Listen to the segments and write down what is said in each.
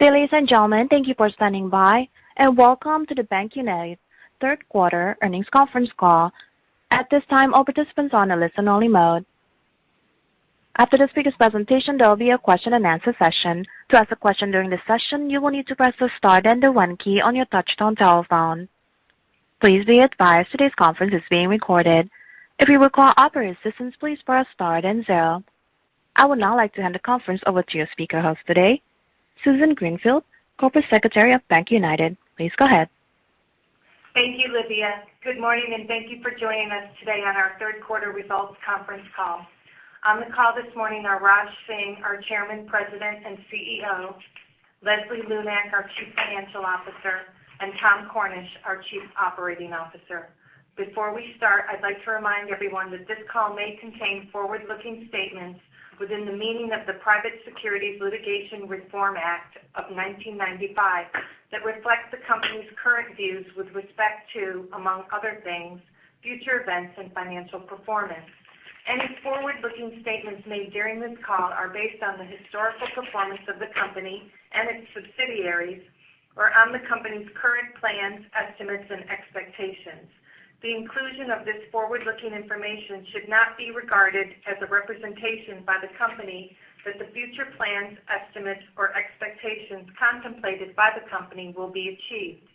Ladies and gentlemen, thank you for standing by, and welcome to the BankUnited third quarter earnings conference call. At this time, all participants are on a listen only mode. After the speaker's presentation, there will be a question and answer session. To ask a question during this session, you will need to press the star then the one key on your touchtone telephone. Please be advised, today's conference is being recorded. If you require operator assistance, please press star then 0. I would now like to hand the conference over to your speaker host today, Susan Greenfield, Corporate Secretary of BankUnited. Please go ahead. Thank you, Olivia. Good morning, and thank you for joining us today on our third quarter results conference call. On the call this morning are Raj Singh, our Chairman, President, and CEO, Leslie Lunak, our Chief Financial Officer, and Tom Cornish, our Chief Operating Officer. Before we start, I'd like to remind everyone that this call may contain forward-looking statements within the meaning of the Private Securities Litigation Reform Act of 1995 that reflect the company's current views with respect to, among other things, future events and financial performance. Any forward-looking statements made during this call are based on the historical performance of the company and its subsidiaries, or on the company's current plans, estimates, and expectations. The inclusion of this forward-looking information should not be regarded as a representation by the company that the future plans, estimates, or expectations contemplated by the company will be achieved.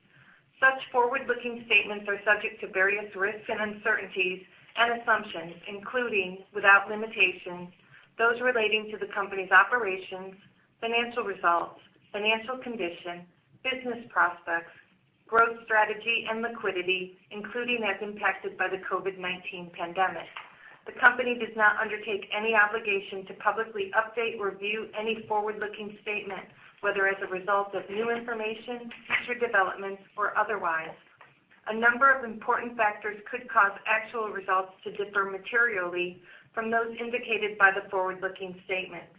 Such forward-looking statements are subject to various risks and uncertainties and assumptions, including, without limitation, those relating to the company's operations, financial results, financial condition, business prospects, growth strategy, and liquidity, including as impacted by the COVID-19 pandemic. The company does not undertake any obligation to publicly update, review any forward-looking statement, whether as a result of new information, future developments, or otherwise. A number of important factors could cause actual results to differ materially from those indicated by the forward-looking statements.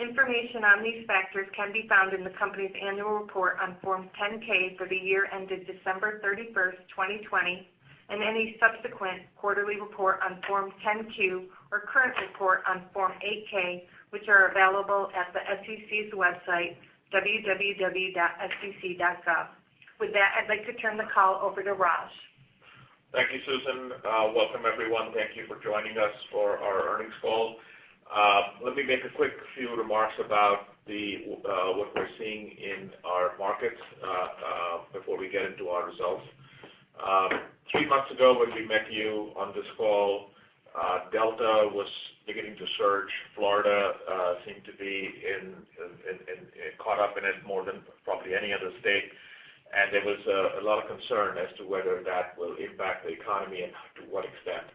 Information on these factors can be found in the company's annual report on Form 10-K for the year ended December 31st, 2020, and any subsequent quarterly report on Form 10-Q or current report on Form 8-K, which are available at the SEC's website, www.sec.gov. With that, I'd like to turn the call over to Raj. Thank you, Susan. Welcome everyone. Thank you for joining us for our earnings call. Let me make a quick few remarks about what we're seeing in our markets before we get into our results. Three months ago when we met you on this call, Delta was beginning to surge. Florida seemed to be caught up in it more than probably any other state, and there was a lot of concern as to whether that will impact the economy and to what extent.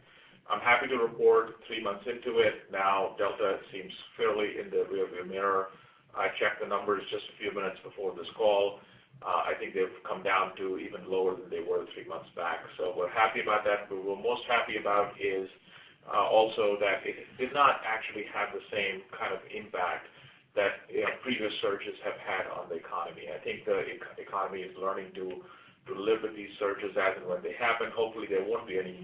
I'm happy to report three months into it now, Delta seems fairly in the rear-view mirror. I checked the numbers just a few minutes before this call. I think they've come down to even lower than they were three months back. We're happy about that. What we're most happy about is also that it did not actually have the same kind of impact that previous surges have had on the economy. I think the economy is learning to live with these surges as and when they happen. Hopefully there won't be any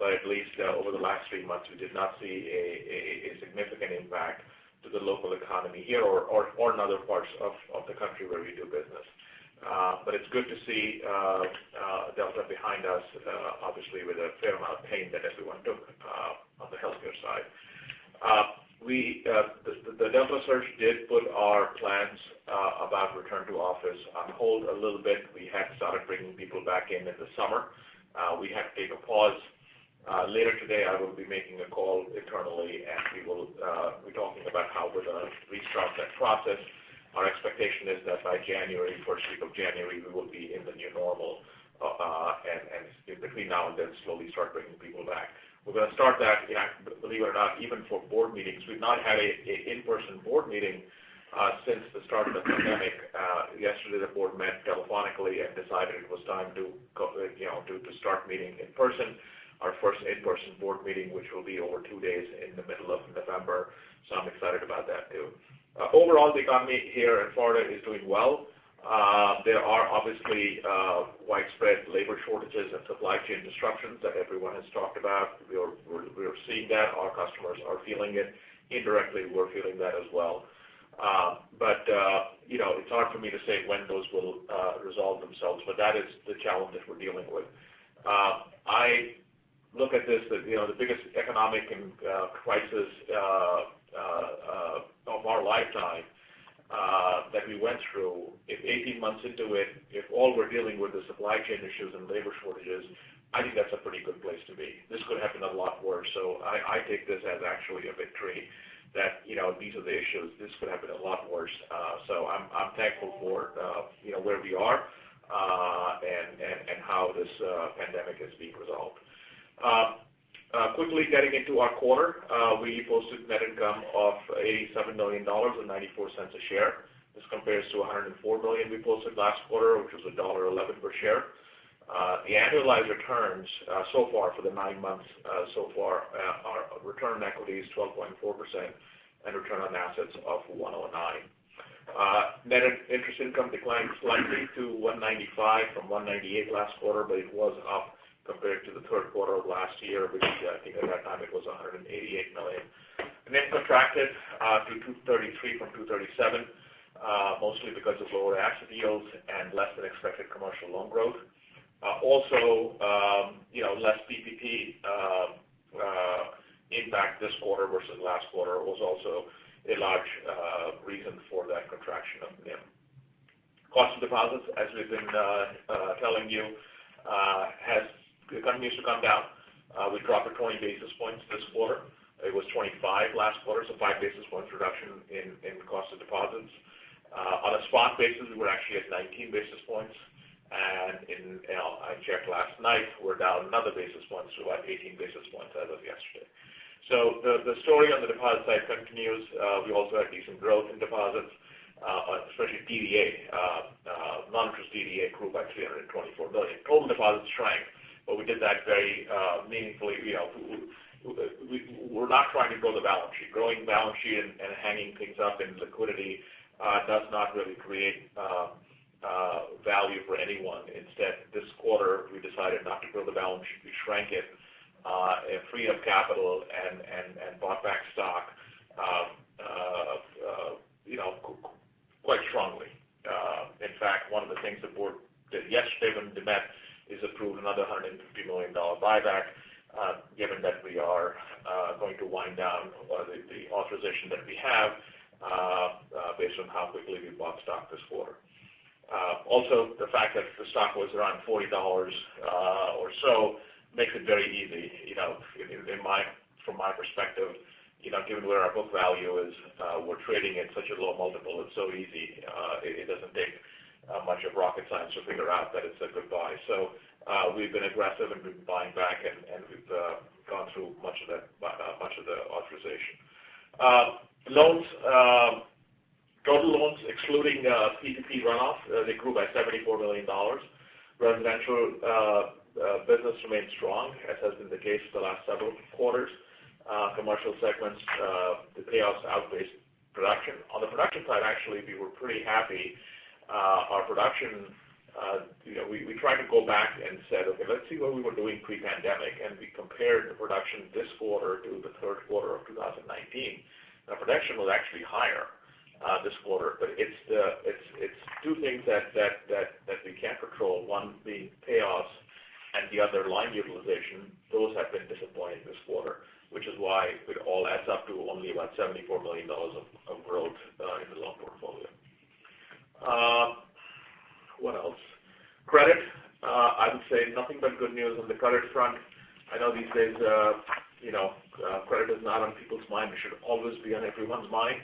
more. At least over the last three months, we did not see a significant impact to the local economy here or in other parts of the country where we do business. It's good to see Delta behind us, obviously with a fair amount of pain that everyone took on the healthcare side. The Delta surge did put our plans about return to office on hold a little bit. We had started bringing people back in in the summer. We had to take a pause. Later today, I will be making a call internally, and we're talking about how we're going to restart that process. Our expectation is that by January, first week of January, we will be in the new normal, and between now and then slowly start bringing people back. We're going to start that, believe it or not, even for board meetings. We've not had an in-person board meeting since the start of the pandemic. Yesterday the board met telephonically and decided it was time to start meeting in person. Our first in-person board meeting, which will be over two days in the middle of November, so I'm excited about that, too. Overall, the economy here in Florida is doing well. There are obviously widespread labor shortages and supply chain disruptions that everyone has talked about. We are seeing that. Our customers are feeling it. Indirectly, we're feeling that as well. It's hard for me to say when those will resolve themselves, but that is the challenge that we're dealing with. I look at this, the biggest economic crisis of our lifetime that we went through. If 18 months into it, if all we're dealing with is supply chain issues and labor shortages, I think that's a pretty good place to be. This could have been a lot worse, so I take this as actually a victory that these are the issues. This could have been a lot worse. I'm thankful for where we are and how this pandemic is being resolved. Quickly getting into our quarter. We posted net income of $87 million or $0.94 a share. This compares to $104 million we posted last quarter, which was $1.11 per share. The annualized returns so far for the nine months so far are return on equity is 12.4% and return on assets of 1.09%. Net interest income declined slightly to $195 million from $198 million last quarter. It was up compared to the third quarter of last year, which I think at that time it was $188 million. NIM contracted to 2.33% from 2.37% mostly because of lower asset yields and less than expected commercial loan growth. Also, less PPP impact this quarter versus last quarter was also a large reason for that contraction of NIM. Cost of deposits, as we've been telling you, continues to come down. We dropped to 20 basis points this quarter. It was 25 basis points last quarter, so a 5 basis point reduction in cost of deposits. On a spot basis, we're actually at 19 basis points, and I checked last night, we're down another 1 basis point, about 18 basis points as of yesterday. The story on the deposit side continues. We also had decent growth in deposits, especially DDA. Non-interest DDA grew by $324 million. Total deposits shrank, but we did that very meaningfully. We're not trying to grow the balance sheet. Growing the balance sheet and hanging things up in liquidity does not really create value for anyone. Instead, this quarter, we decided not to grow the balance sheet. We shrank it and freed up capital and bought back stock quite strongly. In fact, one of the things the board did yesterday when they met is approve another $150 million buyback given that we are going to wind down a lot of the authorization that we have based on how quickly we bought stock this quarter. The fact that the stock was around $40 or so makes it very easy. From my perspective, given where our book value is, we're trading at such a low multiple, it's so easy. It doesn't take much of rocket science to figure out that it's a good buy. We've been aggressive in buying back, and we've gone through much of the authorization. Loans. Total loans, excluding PPP runoff, they grew by $74 million. Residential business remains strong, as has been the case for the last several quarters. Commercial segments, the payoffs outpaced production. On the production side, actually, we were pretty happy. Our production, we tried to go back and said, "Okay, let's see what we were doing pre-pandemic," and we compared the production this quarter to the third quarter of 2019. Production was actually higher this quarter, but it's two things that we can't control. One being payoffs and the other line utilization. Those have been disappointing this quarter, which is why it all adds up to only about $74 million of growth in the loan portfolio. What else? Credit. I would say nothing but good news on the credit front. I know these days credit is not on people's mind. It should always be on everyone's mind.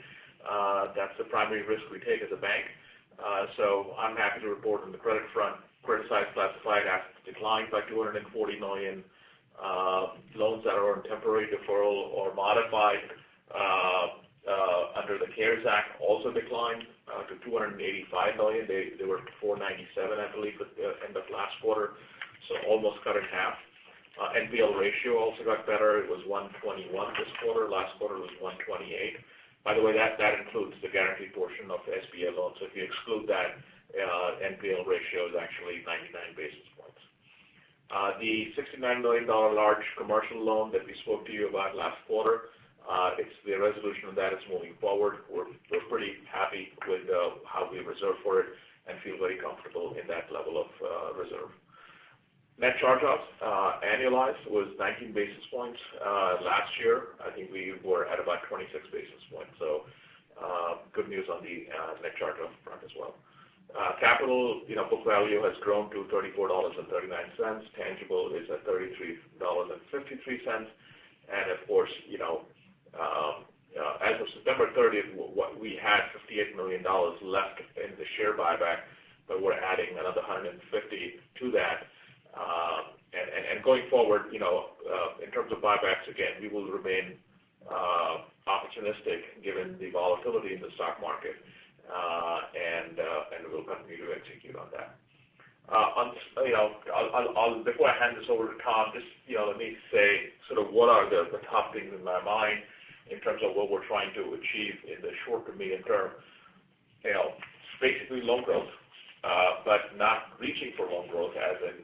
That's the primary risk we take as a bank. I'm happy to report on the credit front. Criticized classified assets declined by $240 million. Loans that are on temporary deferral or modified under the CARES Act also declined to $285 million. They were $497 million, I believe, at the end of last quarter, almost cut in half. NPL ratio also got better. It was 1.21% this quarter. Last quarter was 1.28%. By the way, that includes the guaranteed portion of the SBA loan. If you exclude that, NPL ratio is actually 99 basis points. The $69 million large commercial loan that we spoke to you about last quarter, the resolution of that is moving forward. We're pretty happy with how we reserved for it and feel very comfortable in that level of reserve. Net charge-offs annualized was 19 basis points. Last year, I think we were at about 26 basis points, good news on the net charge-off front as well. Capital book value has grown to $34.39. Tangible is at $33.53. Of course, as of September 30th, we had $58 million left in the share buyback, but we're adding another $150 million to that. Going forward, in terms of buybacks, again, we will remain opportunistic given the volatility in the stock market, and we'll continue to execute on that. Before I hand this over to Tom, just let me say sort of what are the top things in my mind in terms of what we're trying to achieve in the short to medium term. It's basically loan growth but not reaching for loan growth as in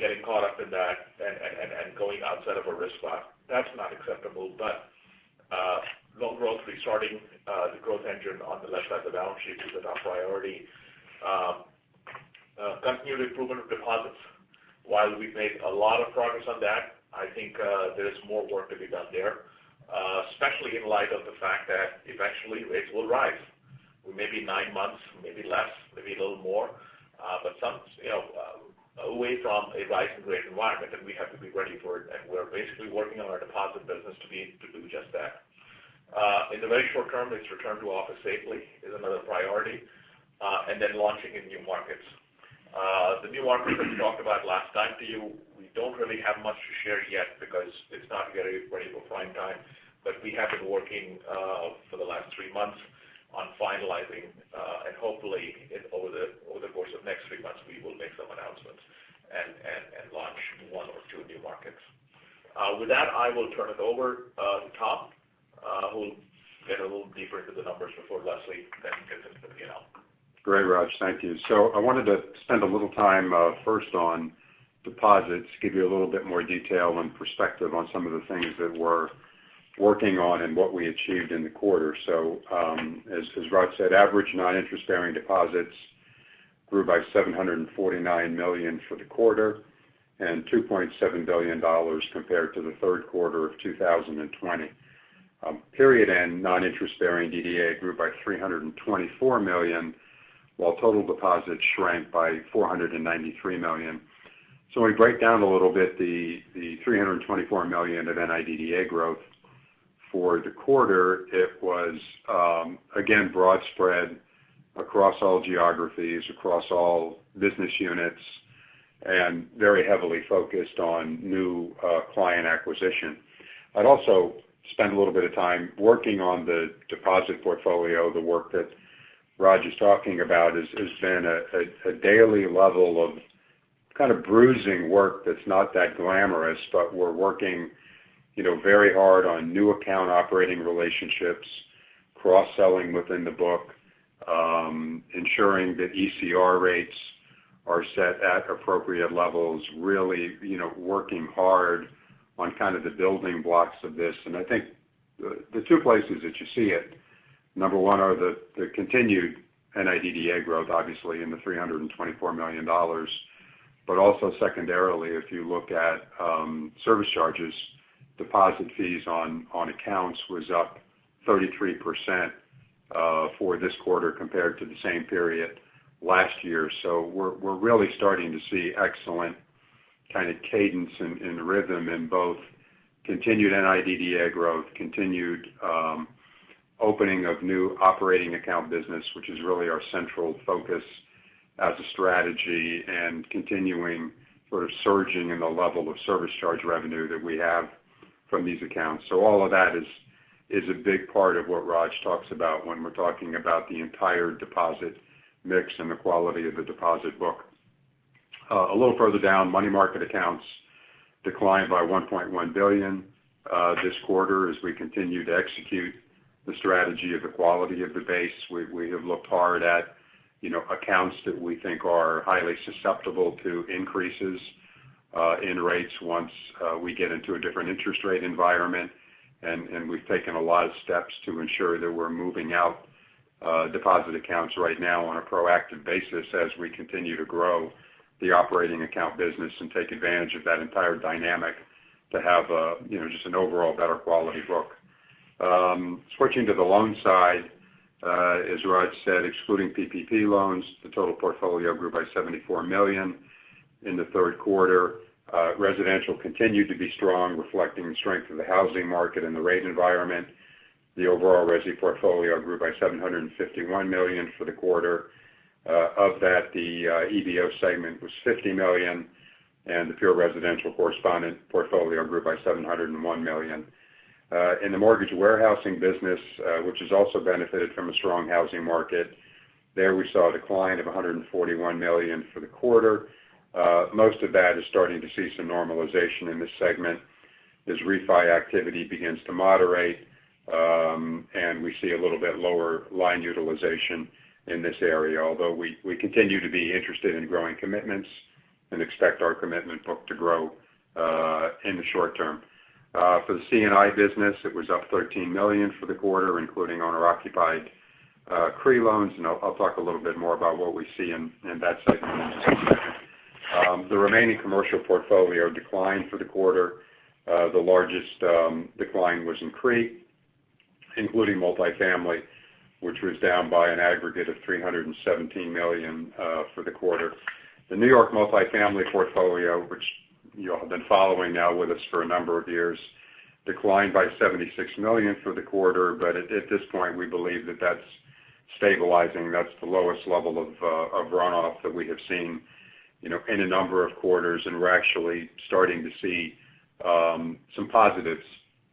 getting caught up in that and going outside of our risk spot. That's not acceptable. Loan growth, restarting the growth engine on the left side of the balance sheet is another priority. Continued improvement of deposits. While we've made a lot of progress on that, I think there's more work to be done there, especially in light of the fact that eventually rates will rise. Maybe nine months, maybe less, maybe a little more, but some way from a rise in rate environment, and we have to be ready for it. We're basically working on our deposit business to be able to do just that. In the very short term, it's return to office safely is another priority, and then launching in new markets. The new markets that we talked about last time to you, we don't really have much to share yet because it's not yet ready for prime time. We have been working for the last three months on finalizing, and hopefully over the course of next three months, we will make some announcements and launch one or two new markets. With that, I will turn it over to Tom, who'll get a little deeper into the numbers before Leslie then gets into the Q&A. Great, Raj. Thank you. I wanted to spend a little time first on deposits, give you a little bit more detail and perspective on some of the things that we're working on and what we achieved in the quarter. As Raj said, average non-interest-bearing deposits grew by $749 million for the quarter and $2.7 billion compared to the third quarter of 2020. Period end non-interest-bearing DDA grew by $324 million, while total deposits shrank by $493 million. When we break down a little bit the $324 million of NIDDA growth for the quarter, it was again, broad spread across all geographies, across all business units, and very heavily focused on new client acquisition. I'd also spend a little bit of time working on the deposit portfolio. The work that Raj is talking about has been a daily level of kind of bruising work that's not that glamorous, but we're working very hard on new account operating relationships, cross-selling within the book, ensuring that ECR rates are set at appropriate levels, really working hard on kind of the building blocks of this. I think the two places that you see it, number one, are the continued NIDDA growth, obviously in the $324 million. Also secondarily, if you look at service charges, deposit fees on accounts was up 33% for this quarter compared to the same period last year. We're really starting to see excellent kind of cadence and rhythm in both continued NIDDA growth, continued opening of new operating account business, which is really our central focus as a strategy, and continuing sort of surging in the level of service charge revenue that we have from these accounts. All of that is a big part of what Raj talks about when we're talking about the entire deposit mix and the quality of the deposit book. A little further down, money market accounts declined by $1.1 billion this quarter as we continue to execute the strategy of the quality of the base. We have looked hard at accounts that we think are highly susceptible to increases in rates once we get into a different interest rate environment. We've taken a lot of steps to ensure that we're moving out deposit accounts right now on a proactive basis as we continue to grow the operating account business and take advantage of that entire dynamic to have just an overall better quality book. Switching to the loan side, as Raj said, excluding PPP loans, the total portfolio grew by $74 million in the third quarter. Residential continued to be strong, reflecting the strength of the housing market and the rate environment. The overall resi portfolio grew by $751 million for the quarter. Of that, the EBL segment was $50 million, and the pure residential correspondent portfolio grew by $701 million. In the mortgage warehousing business, which has also benefited from a strong housing market, there we saw a decline of $141 million for the quarter. Most of that is starting to see some normalization in this segment as refi activity begins to moderate, and we see a little bit lower line utilization in this area. We continue to be interested in growing commitments and expect our commitment book to grow in the short term. For the C&I business, it was up $13 million for the quarter, including owner-occupied CRE loans, and I'll talk a little bit more about what we see in that segment in just a second. The remaining commercial portfolio declined for the quarter. The largest decline was in CRE, including multifamily, which was down by an aggregate of $317 million for the quarter. The New York multifamily portfolio, which you all have been following now with us for a number of years, declined by $76 million for the quarter. At this point, we believe that that's stabilizing. That's the lowest level of runoff that we have seen in a number of quarters. We're actually starting to see some positives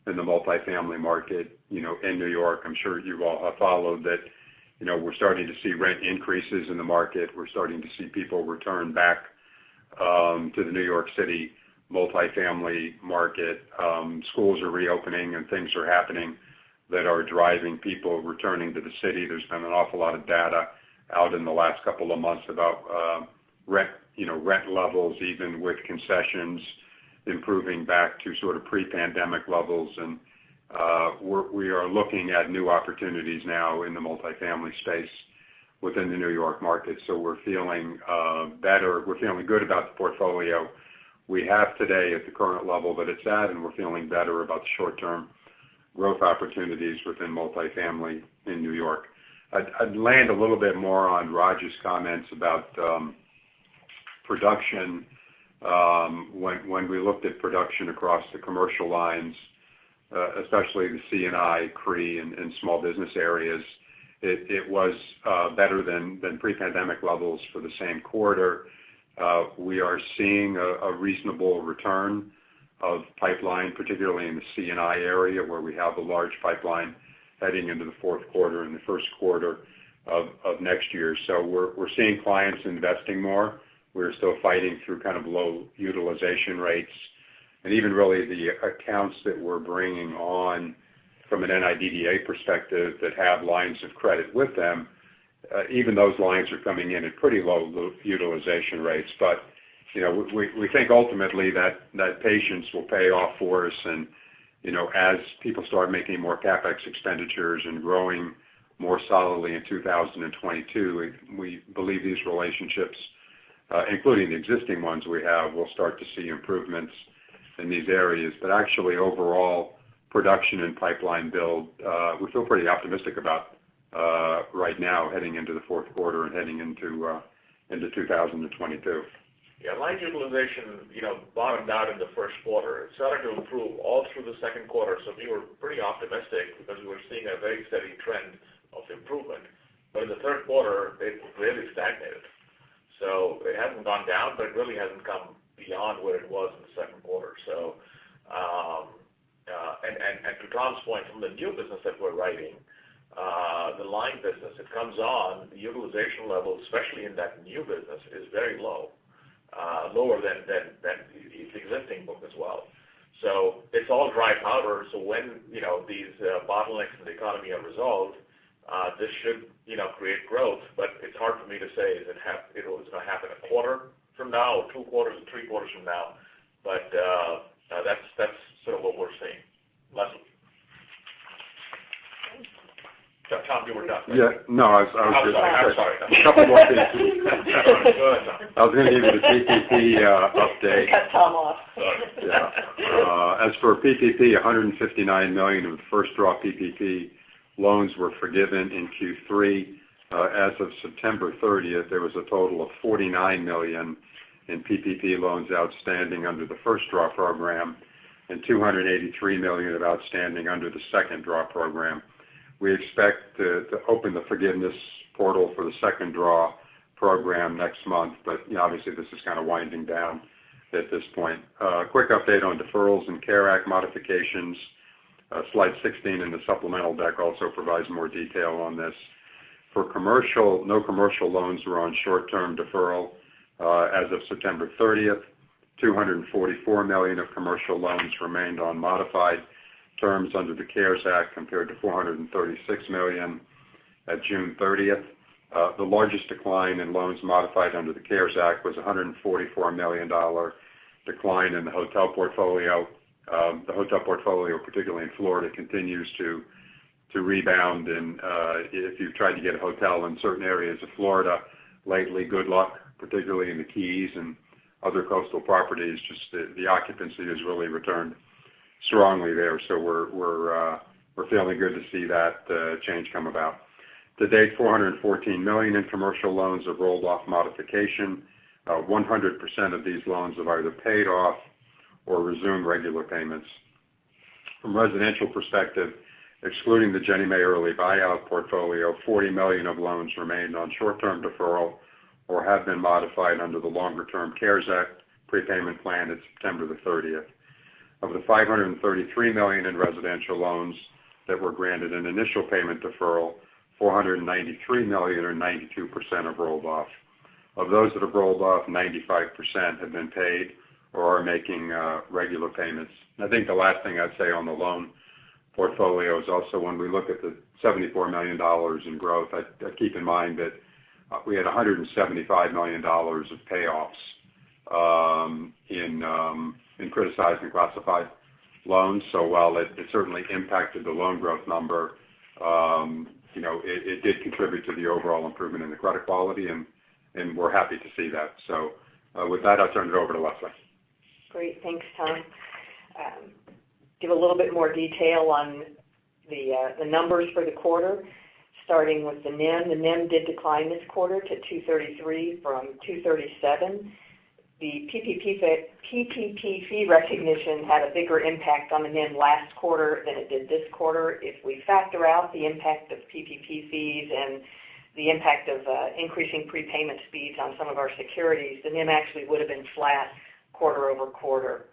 in the multifamily market in New York. I'm sure you've all followed that we're starting to see rent increases in the market. We're starting to see people return back to the New York City multifamily market. Schools are reopening and things are happening that are driving people returning to the city. There's been an awful lot of data out in the last couple of months about rent levels, even with concessions improving back to sort of pre-pandemic levels. We are looking at new opportunities now in the multifamily space within the New York market. We're feeling better. We're feeling good about the portfolio we have today at the current level that it's at, and we're feeling better about the short-term growth opportunities within multifamily in New York. I'd land a little bit more on Raj's comments about production. When we looked at production across the commercial lines, especially the C&I, CRE, and small business areas, it was better than pre-pandemic levels for the same quarter. We are seeing a reasonable return of pipeline, particularly in the C&I area where we have a large pipeline heading into the fourth quarter and the first quarter of next year. We're seeing clients investing more. We're still fighting through kind of low utilization rates. Even really the accounts that we're bringing on from an NIDDA perspective that have lines of credit with them, even those lines are coming in at pretty low utilization rates. We think ultimately that patience will pay off for us. As people start making more CapEx expenditures and growing more solidly in 2022, we believe these relationships, including the existing ones we have, we'll start to see improvements in these areas. Actually overall, production and pipeline build, we feel pretty optimistic about right now heading into the fourth quarter and heading into 2022. Yeah. Line utilization bottomed out in the first quarter. It started to improve all through the second quarter, so we were pretty optimistic because we were seeing a very steady trend of improvement. In the third quarter, it really stagnated. It hasn't gone down, but it really hasn't come beyond where it was in the second quarter. To Tom's point, from the new business that we're writing, the line business that comes on, the utilization level, especially in that new business, is very low. Lower than the existing book as well. It's all dry powder. When these bottlenecks in the economy are resolved, this should create growth. It's hard for me to say if it's going to happen a quarter from now or two quarters or three quarters from now. That's sort of what we're seeing. Leslie? Tom, you were done, right? Yeah. No. I'm sorry. A couple more things. Go ahead, Tom. I was going to give you the PPP update. We cut Tom off. Sorry. Yeah. As for PPP, $159 million of the first draw PPP loans were forgiven in Q3. As of September 30th, there was a total of $49 million in PPP loans outstanding under the First Draw program and $283 million of outstanding under the Second Draw program. We expect to open the forgiveness portal for the Second Draw program next month, but obviously this is kind of winding down at this point. A quick update on deferrals and CARES Act modifications. Slide 16 in the supplemental deck also provides more detail on this. For commercial, no commercial loans were on short-term deferral. As of September 30th, $244 million of commercial loans remained on modified terms under the CARES Act, compared to $436 million at June 30th. The largest decline in loans modified under the CARES Act was $144 million decline in the hotel portfolio. The hotel portfolio, particularly in Florida, continues to rebound. If you've tried to get a hotel in certain areas of Florida lately, good luck, particularly in the Keys and other coastal properties. The occupancy has really returned strongly there. We're feeling good to see that change come about. To date, $414 million in commercial loans have rolled off modification. 100% of these loans have either paid off or resumed regular payments. From residential perspective, excluding the Ginnie Mae early buyout portfolio, $40 million of loans remained on short-term deferral or have been modified under the longer-term CARES Act repayment plan at September the 30th. Of the $533 million in residential loans that were granted an initial payment deferral, $493 million or 92% have rolled off. Of those that have rolled off, 95% have been paid or are making regular payments. I think the last thing I'd say on the loan portfolio is also when we look at the $74 million in growth, keep in mind that we had $175 million of payoffs in criticized and classified loans. While it certainly impacted the loan growth number, it did contribute to the overall improvement in the credit quality, and we're happy to see that. With that, I'll turn it over to Leslie. Great. Thanks, Tom. Give a little bit more detail on the numbers for the quarter, starting with the NIM. The NIM did decline this quarter to 2.33% from 2.37%. The PPP fee recognition had a bigger impact on the NIM last quarter than it did this quarter. If we factor out the impact of PPP fees and the impact of increasing prepayment speeds on some of our securities, the NIM actually would've been flat quarter-over-quarter.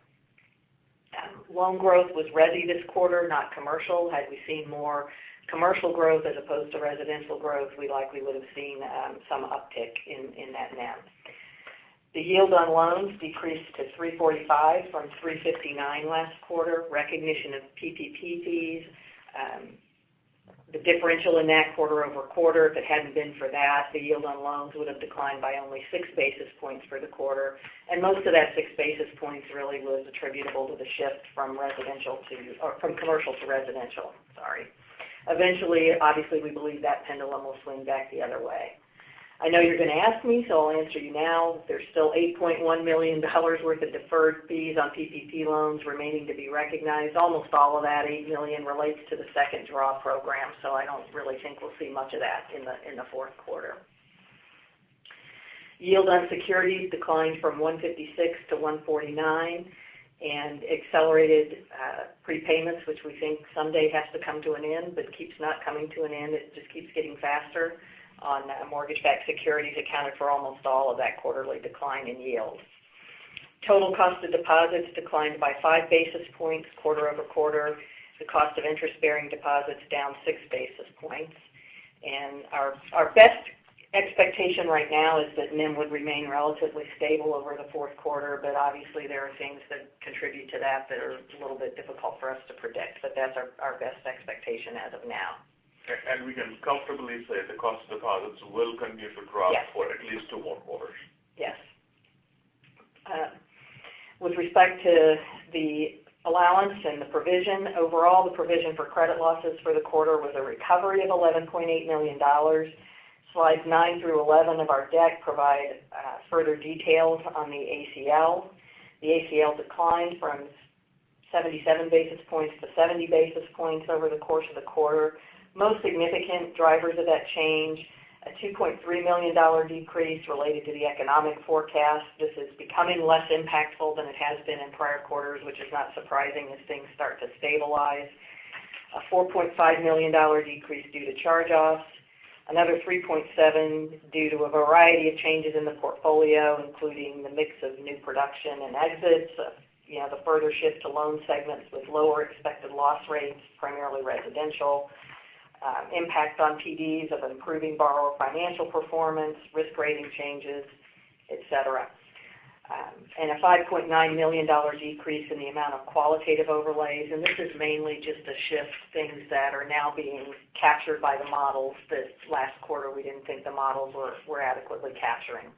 Loan growth was resi this quarter, not commercial. Had we seen more commercial growth as opposed to residential growth, we likely would've seen some uptick in that NIM. The yield on loans decreased to 3.45% from 3.59% last quarter. Recognition of PPP fees. The differential in that quarter-over-quarter, if it hadn't been for that, the yield on loans would've declined by only six basis points for the quarter. Most of that 6 basis points really was attributable to the shift from commercial to residential. Sorry. Eventually, obviously, we believe that pendulum will swing back the other way. I know you're going to ask me, so I'll answer you now. There's still $8.1 million worth of deferred fees on PPP loans remaining to be recognized. Almost all of that $8 million relates to the Second Draw program, so I don't really think we'll see much of that in the fourth quarter. Yield on securities declined from 1.56%-1.49%, accelerated prepayments, which we think someday has to come to an end but keeps not coming to an end, it just keeps getting faster on mortgage-backed securities accounted for almost all of that quarterly decline in yield. Total cost of deposits declined by 5 basis points quarter-over-quarter. The cost of interest-bearing deposits down 6 basis points. Our best expectation right now is that NIM would remain relatively stable over the fourth quarter. Obviously there are things that contribute to that are a little bit difficult for us to predict. That's our best expectation as of now. We can comfortably say the cost deposits will continue to drop. Yes for at least one more quarter. With respect to the allowance and the provision, overall, the provision for credit losses for the quarter was a recovery of $11.8 million. Slides nine through 11 of our deck provide further details on the ACL. The ACL declined from 77 basis points to 70 basis points over the course of the quarter. Most significant drivers of that change, a $2.3 million decrease related to the economic forecast. This is becoming less impactful than it has been in prior quarters, which is not surprising as things start to stabilize. A $4.5 million decrease due to charge-offs. Another $3.7 million due to a variety of changes in the portfolio, including the mix of new production and exits. The further shift to loan segments with lower expected loss rates, primarily residential. Impact on PDs of improving borrower financial performance, risk rating changes, et cetera. A $5.9 million decrease in the amount of qualitative overlays, and this is mainly just a shift, things that are now being captured by the models that last quarter we didn't think the models were adequately capturing.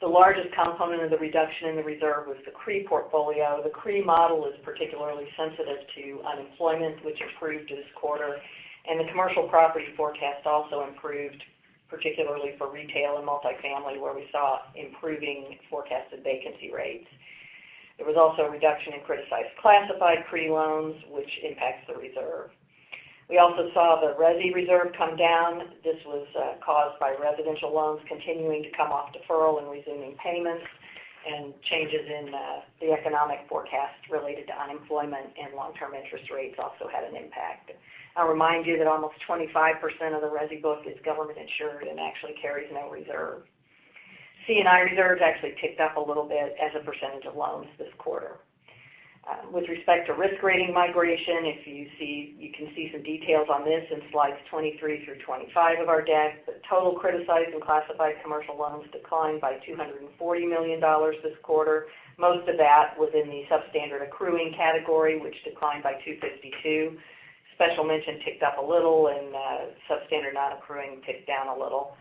The largest component of the reduction in the reserve was the CRE portfolio. The CRE model is particularly sensitive to unemployment, which improved this quarter, and the commercial property forecast also improved, particularly for retail and multifamily, where we saw improving forecasted vacancy rates. There was also a reduction in criticized classified CRE loans, which impacts the reserve. We also saw the resi reserve come down. This was caused by residential loans continuing to come off deferral and resuming payments, and changes in the economic forecast related to unemployment and long-term interest rates also had an impact. I'll remind you that almost 25% of the resi book is government insured and actually carries no reserve. C&I reserves actually ticked up a little bit as a percentage of loans this quarter. With respect to risk rating migration, you can see some details on this in slides 23 through 25 of our deck. The total criticized and classified commercial loans declined by $240 million this quarter, most of that within the substandard accruing category, which declined by $252 million. Special mention ticked up a little, and substandard non-accruing ticked down a little.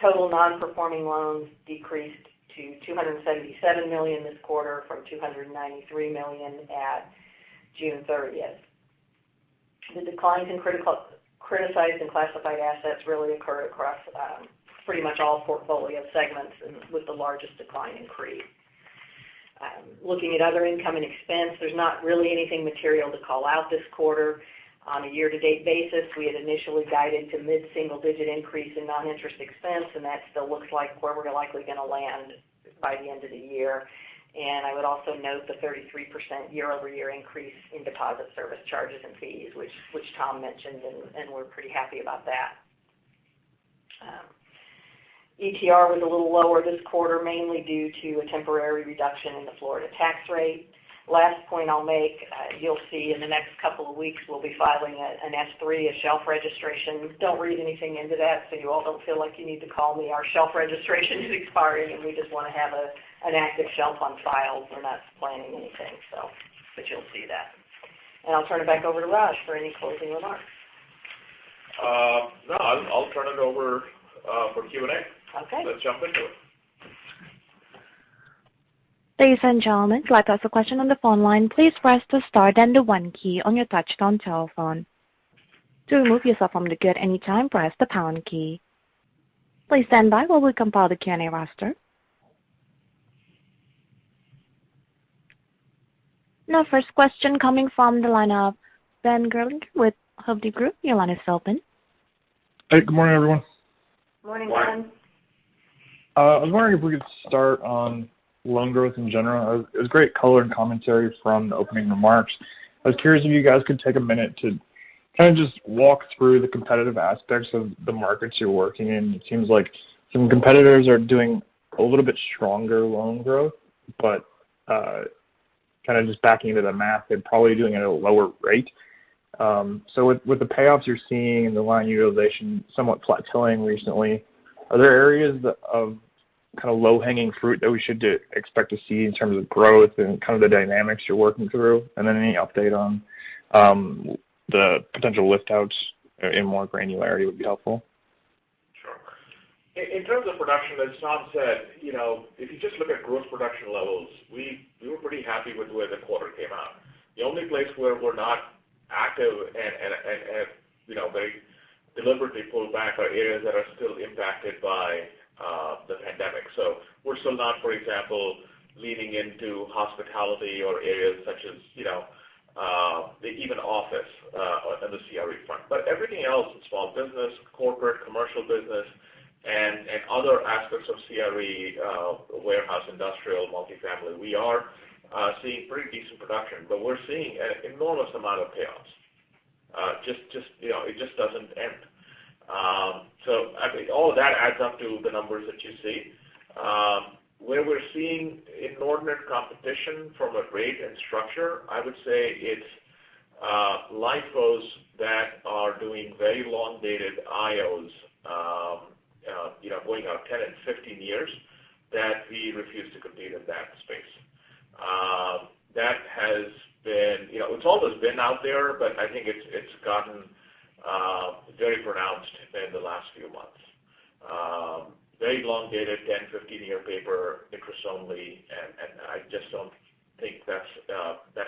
Total non-performing loans decreased to $277 million this quarter from $293 million at June 30th. The declines in criticized and classified assets really occur across pretty much all portfolio segments with the largest decline in CRE. Looking at other income and expense, there's not really anything material to call out this quarter. On a year-to-date basis, we had initially guided to mid-single-digit increase in non-interest expense, and that still looks like where we're likely going to land by the end of the year. I would also note the 33% year-over-year increase in deposit service charges and fees, which Tom mentioned, and we're pretty happy about that. ETR was a little lower this quarter, mainly due to a temporary reduction in the Florida tax rate. Last point I'll make, you'll see in the next couple of weeks, we'll be filing a Form S-3, a shelf registration. Don't read anything into that so you all don't feel like you need to call me. Our shelf registration is expiring, and we just want to have an active shelf on file. We're not planning anything. You'll see that. I'll turn it back over to Raj for any closing remarks. No, I'll turn it over for Q&A. Okay. Let's jump into it. Ladies and gentlemen, to ask a question on the phone line, please press the star then the one key on your touch-tone telephone. To remove yourself from the queue at any time, press the pound key. Please stand by while we compile the Q&A roster. Now, first question coming from the line of Ben Gerlinger with Hovde Group. Your line is open. Hey, good morning, everyone. Morning, Ben. Morning. I was wondering if we could start on loan growth in general. It was great color and commentary from the opening remarks. I was curious if you guys could take a minute to kind of just walk through the competitive aspects of the markets you're working in. It seems like some competitors are doing a little bit stronger loan growth, but kind of just backing into the math, they're probably doing it at a lower rate. With the payoffs you're seeing and the line utilization somewhat plateauing recently, are there areas of kind of low-hanging fruit that we should expect to see in terms of growth and kind of the dynamics you're working through? Any update on the potential lift outs in more granularity would be helpful. Sure. In terms of production, as Tom said, if you just look at growth production levels, we were pretty happy with the way the quarter came out. The only place where we're not active and very deliberately pulled back are areas that are still impacted by the pandemic. We're still not, for example, leaning into hospitality or areas such as even office on the CRE front. Everything else, small business, corporate, commercial business, and other aspects of CRE, warehouse, industrial, multifamily, we are seeing pretty decent production. We're seeing an enormous amount of payoffs. It just doesn't end. I think all of that adds up to the numbers that you see. Where we're seeing inordinate competition from a rate and structure, I would say it's LifeCos that are doing very long-dated IOs going out 10 and 15 years, that we refuse to compete in that space. It's always been out there, but I think it's gotten very pronounced in the last few months. Very long-dated, 10, 15-year paper, Interest-Only, and I just don't think that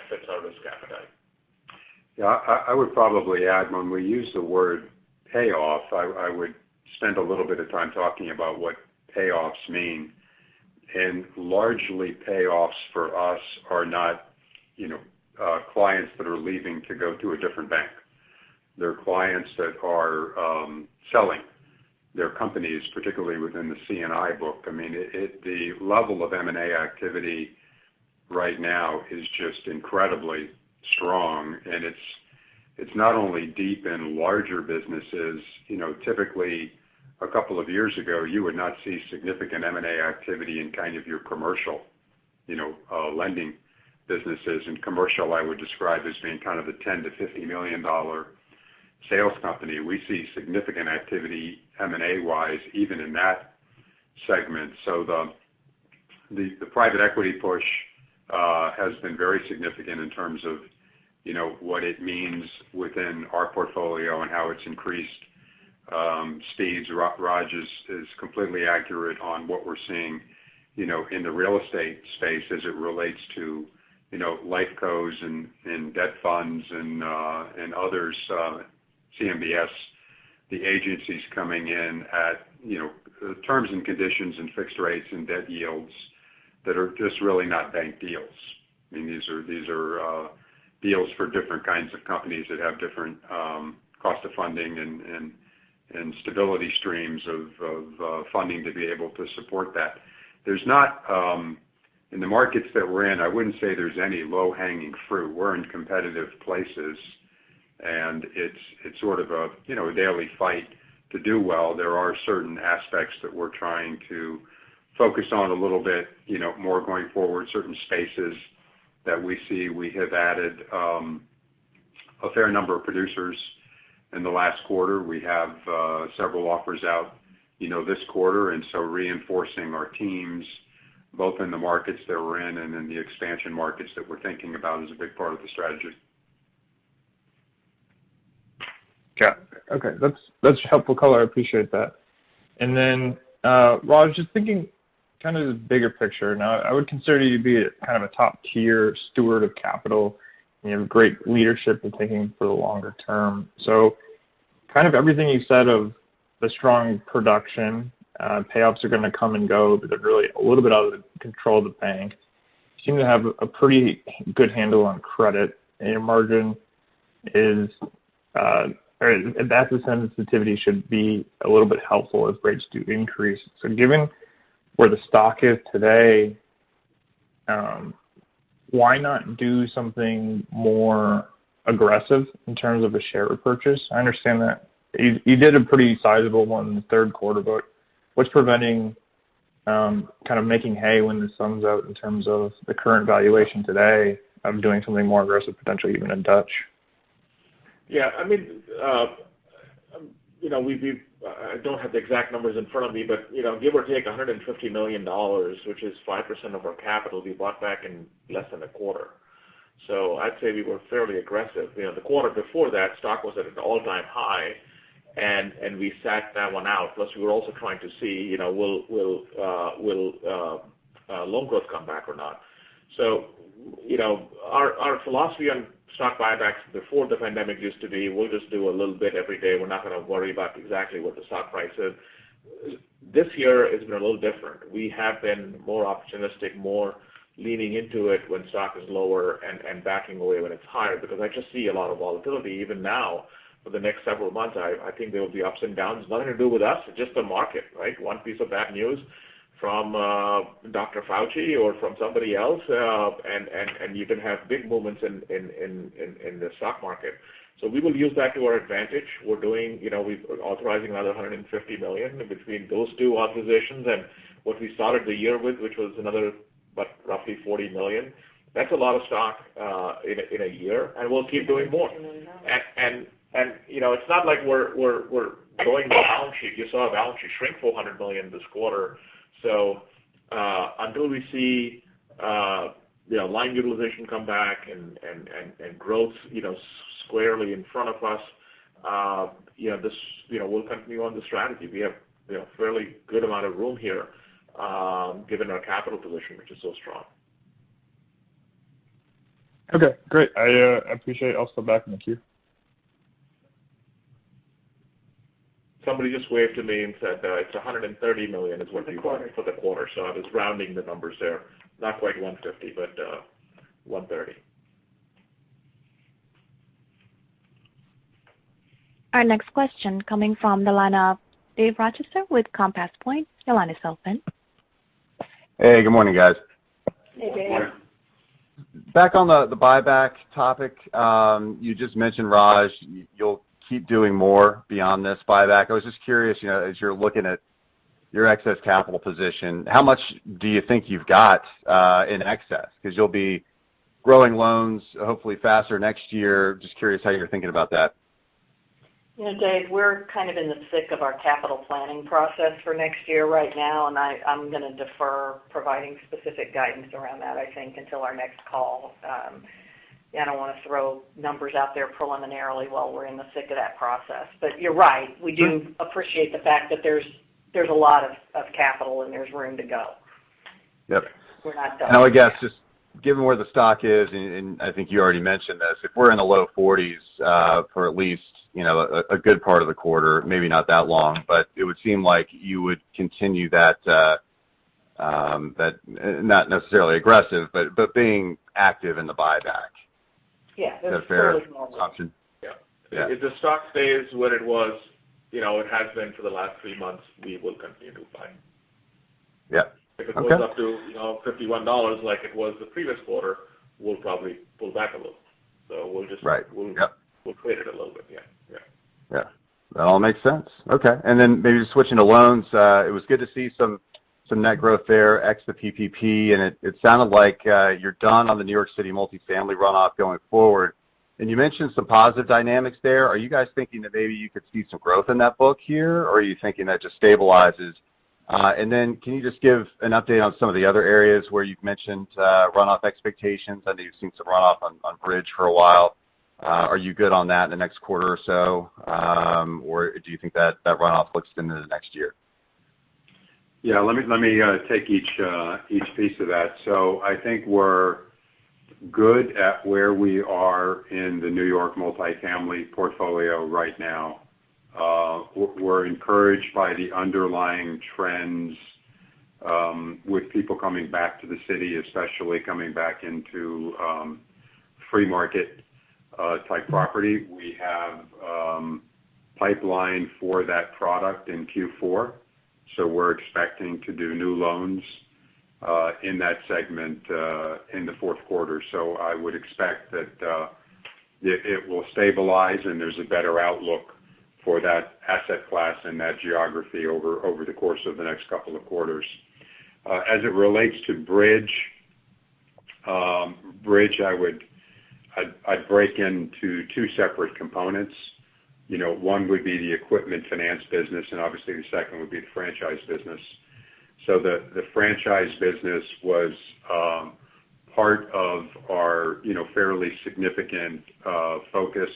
fits our risk appetite. I would probably add when we use the word payoff, I would spend a little bit of time talking about what payoffs mean. Largely, payoffs for us are not clients that are leaving to go to a different bank. They're clients that are selling their companies, particularly within the C&I book. The level of M&A activity right now is just incredibly strong, it's not only deep in larger businesses. Typically, a couple of years ago, you would not see significant M&A activity in kind of your commercial lending businesses. Commercial I would describe as being kind of the $10 million-$50 million sales company. We see significant activity M&A-wise even in that segment. The private equity push has been very significant in terms of what it means within our portfolio and how it's increased speeds. Raj is completely accurate on what we're seeing in the real estate space as it relates to LifeCos and debt funds and others, CMBS, the agencies coming in at terms and conditions and fixed rates and debt yields that are just really not bank deals. These are deals for different kinds of companies that have different cost of funding and stability streams of funding to be able to support that. In the markets that we're in, I wouldn't say there's any low-hanging fruit. We're in competitive places, and it's sort of a daily fight to do well. There are certain aspects that we're trying to focus on a little bit more going forward, certain spaces that we see. We have added a fair number of producers in the last quarter. We have several offers out this quarter, and so reinforcing our teams both in the markets that we're in and in the expansion markets that we're thinking about is a big part of the strategy. Okay. That's helpful color. I appreciate that. Then, Raj, just thinking kind of the bigger picture now. I would consider you to be kind of a top-tier steward of capital. You have great leadership in thinking for the longer term. Kind of everything you said of the strong production, payoffs are going to come and go, but they're really a little bit out of the control of the bank. You seem to have a pretty good handle on credit, and your margin, that's the sensitivity, should be a little bit helpful as rates do increase. Given where the stock is today, why not do something more aggressive in terms of a share repurchase? I understand that you did a pretty sizable one in the third quarter, but what's preventing kind of making hay when the sun's out in terms of the current valuation today of doing something more aggressive, potentially even in touch? Yeah. I don't have the exact numbers in front of me, but give or take $150 million, which is 5% of our capital, we bought back in less than a quarter. I'd say we were fairly aggressive. The quarter before that, stock was at an all-time high, and we sat that one out. We were also trying to see, will loan growth come back or not? Our philosophy on stock buybacks before the pandemic used to be, we'll just do a little bit every day. We're not going to worry about exactly what the stock price is. This year has been a little different. We have been more opportunistic, more leaning into it when stock is lower and backing away when it's higher because I just see a lot of volatility even now for the next several months. I think there will be ups and downs. Nothing to do with us, just the market, right? One piece of bad news from Dr. Fauci or from somebody else, and you can have big movements in the stock market. We will use that to our advantage. We're authorizing another $150 million. Between those two authorizations and what we started the year with, which was another, roughly $40 million. That's a lot of stock in a year, and we'll keep doing more. It's not like we're going off balance sheet. You saw our balance sheet shrink $400 million this quarter. Until we see line utilization come back and growth squarely in front of us, we'll continue on this strategy. We have a fairly good amount of room here given our capital position, which is so strong. Okay, great. I appreciate it. I'll step back in the queue. Somebody just waved to me and said it's $130 million is what we bought for the quarter. I was rounding the numbers there. Not quite $150 million, but $130 million. Our next question coming from the line of Dave Rochester with Compass Point. Your line is open. Hey, good morning, guys. Hey, Dave. Good morning. Back on the buyback topic. You just mentioned, Raj, you'll keep doing more beyond this buyback. I was just curious, as you're looking at your excess capital position, how much do you think you've got in excess? Because you'll be growing loans hopefully faster next year. Just curious how you're thinking about that. Dave, we're kind of in the thick of our capital planning process for next year right now, and I'm going to defer providing specific guidance around that, I think, until our next call. I don't want to throw numbers out there preliminarily while we're in the thick of that process. You're right, we do appreciate the fact that there's a lot of capital and there's room to go. Yep. We're not done. I guess just given where the stock is, and I think you already mentioned this, if we're in the low 40s for at least a good part of the quarter, maybe not that long, but it would seem like you would continue that, not necessarily aggressive, but being active in the buyback. Yeah. That's totally normal. Is that a fair assumption? Yeah. Yeah. If the stock stays where it has been for the last three months, we will continue to buy. Yeah. Okay. If it goes up to $51 like it was the previous quarter, we'll probably pull back a little. Right. Yep. we'll treat it a little bit. Yeah. Yeah. That all makes sense. Okay. Maybe just switching to loans. It was good to see some net growth there, ex the PPP, and it sounded like you're done on the New York City multifamily runoff going forward. You mentioned some positive dynamics there. Are you guys thinking that maybe you could see some growth in that book here, or are you thinking that just stabilizes? Can you just give an update on some of the other areas where you've mentioned runoff expectations? I know you've seen some runoff on bridge for a while. Are you good on that in the next quarter or so? Or do you think that runoff looks into the next year? Yeah, let me take each piece of that. I think we're good at where we are in the New York multifamily portfolio right now. We're encouraged by the underlying trends with people coming back to the city, especially coming back into free market-type property. We have pipeline for that product in Q4, so we're expecting to do new loans in that segment in the fourth quarter. I would expect that it will stabilize and there's a better outlook for that asset class and that geography over the course of the next couple of quarters. As it relates to bridge, I'd break into two separate components. One would be the equipment finance business, and obviously the second would be the franchise business. The franchise business was part of our fairly significant focus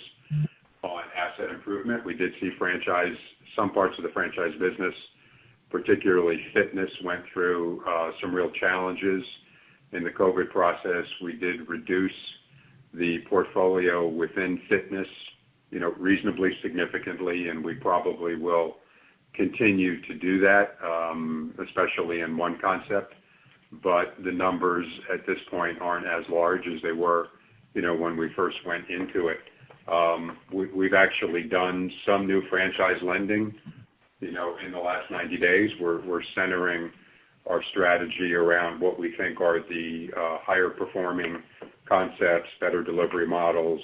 on asset improvement. We did see some parts of the franchise business, particularly fitness, went through some real challenges in the COVID-19 process. We did reduce the portfolio within fitness reasonably significantly, and we probably will continue to do that, especially in one concept. The numbers at this point aren't as large as they were when we first went into it. We've actually done some new franchise lending in the last 90 days. We're centering our strategy around what we think are the higher performing concepts, better delivery models,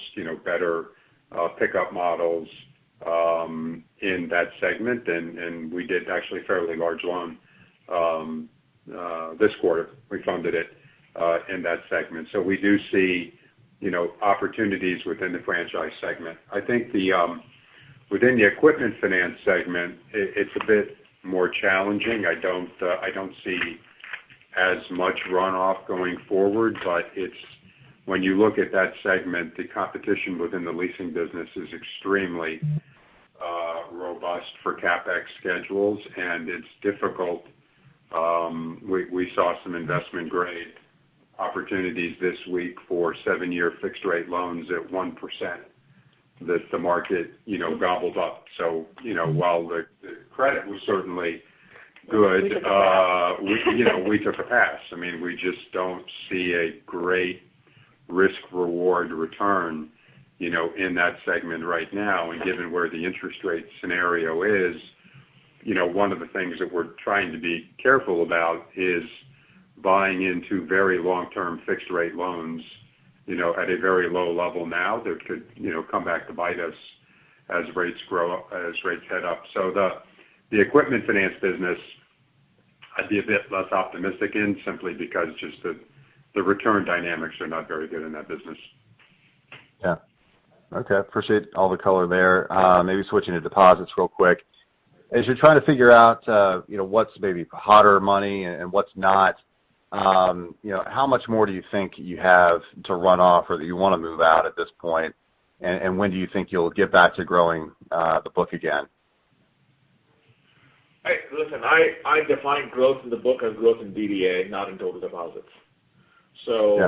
better pickup models in that segment. We did actually a fairly large loan this quarter. We funded it in that segment. We do see opportunities within the franchise segment. I think within the equipment finance segment, it's a bit more challenging. I don't see as much runoff going forward, but when you look at that segment, the competition within the leasing business is extremely robust for CapEx schedules, and it's difficult. We saw some investment-grade opportunities this week for seven-year fixed rate loans at 1% that the market gobbled up- We took a pass. we took a pass. We just don't see a great risk-reward return in that segment right now. Given where the interest rate scenario is, one of the things that we're trying to be careful about is buying into very long-term fixed rate loans at a very low level now that could come back to bite us as rates head up. The equipment finance business, I'd be a bit less optimistic in simply because just the return dynamics are not very good in that business. Yeah. Okay. Appreciate all the color there. Maybe switching to deposits real quick. As you're trying to figure out what's maybe hotter money and what's not, how much more do you think you have to run off or that you want to move out at this point? When do you think you'll get back to growing the book again? Listen, I define growth in the book as growth in DDA, not in total deposits. Yeah.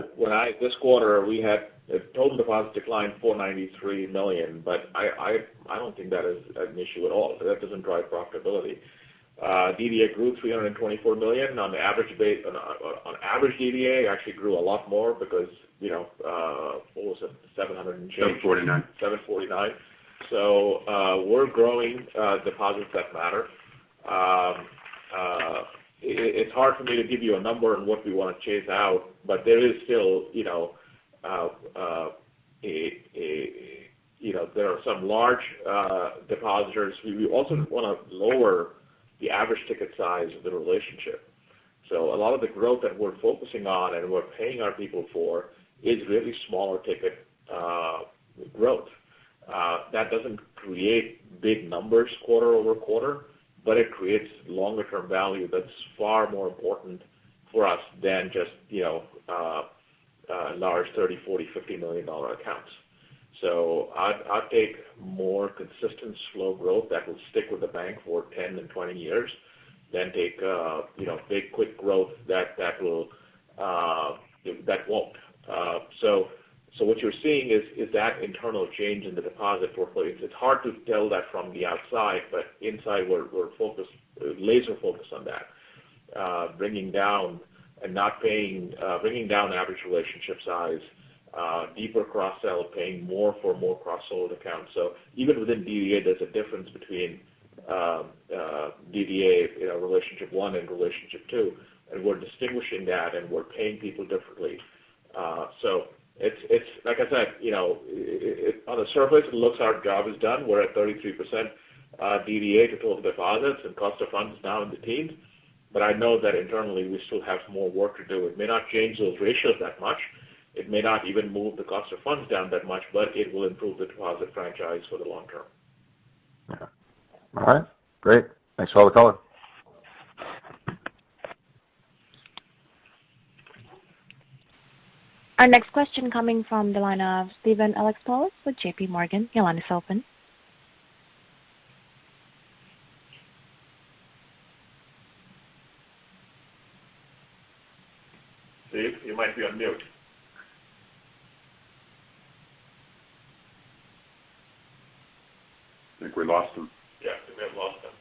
This quarter, total deposits declined $493 million, but I don't think that is an issue at all. That doesn't drive profitability. DDA grew $324 million. On average DDA actually grew a lot more because, what was it? $700 million and change. $749 million. We're growing deposits that matter. It's hard for me to give you a number on what we want to chase out, but there are some large depositors. We also want to lower the average ticket size of the relationship. A lot of the growth that we're focusing on and we're paying our people for is really smaller ticket growth. That doesn't create big numbers quarter-over-quarter, but it creates longer term value that's far more important for us than just large $30 million, $40 million, $50 million accounts. I'd take more consistent slow growth that will stick with the bank for 10 and 20 years than take big quick growth that won't. What you're seeing is that internal change in the deposit portfolio. It's hard to tell that from the outside, but inside, we're laser focused on that. Bringing down average relationship size, deeper cross-sell, paying more for more cross-sold accounts. Even within DDA, there's a difference between DDA relationship one and relationship two, and we're distinguishing that and we're paying people differently. Like I said, on the surface, it looks our job is done. We're at 33% DDA total deposits and cost of funds is down in the teens. I know that internally, we still have more work to do. It may not change those ratios that much. It may not even move the cost of funds down that much, but it will improve the deposit franchise for the long term. All right. Great. Thanks for all the color. Our next question coming from the line of Steven Alexopoulos with JPMorgan. Your line is open. Steve, you might be on mute. I think we lost him. Yeah, I think we have lost him.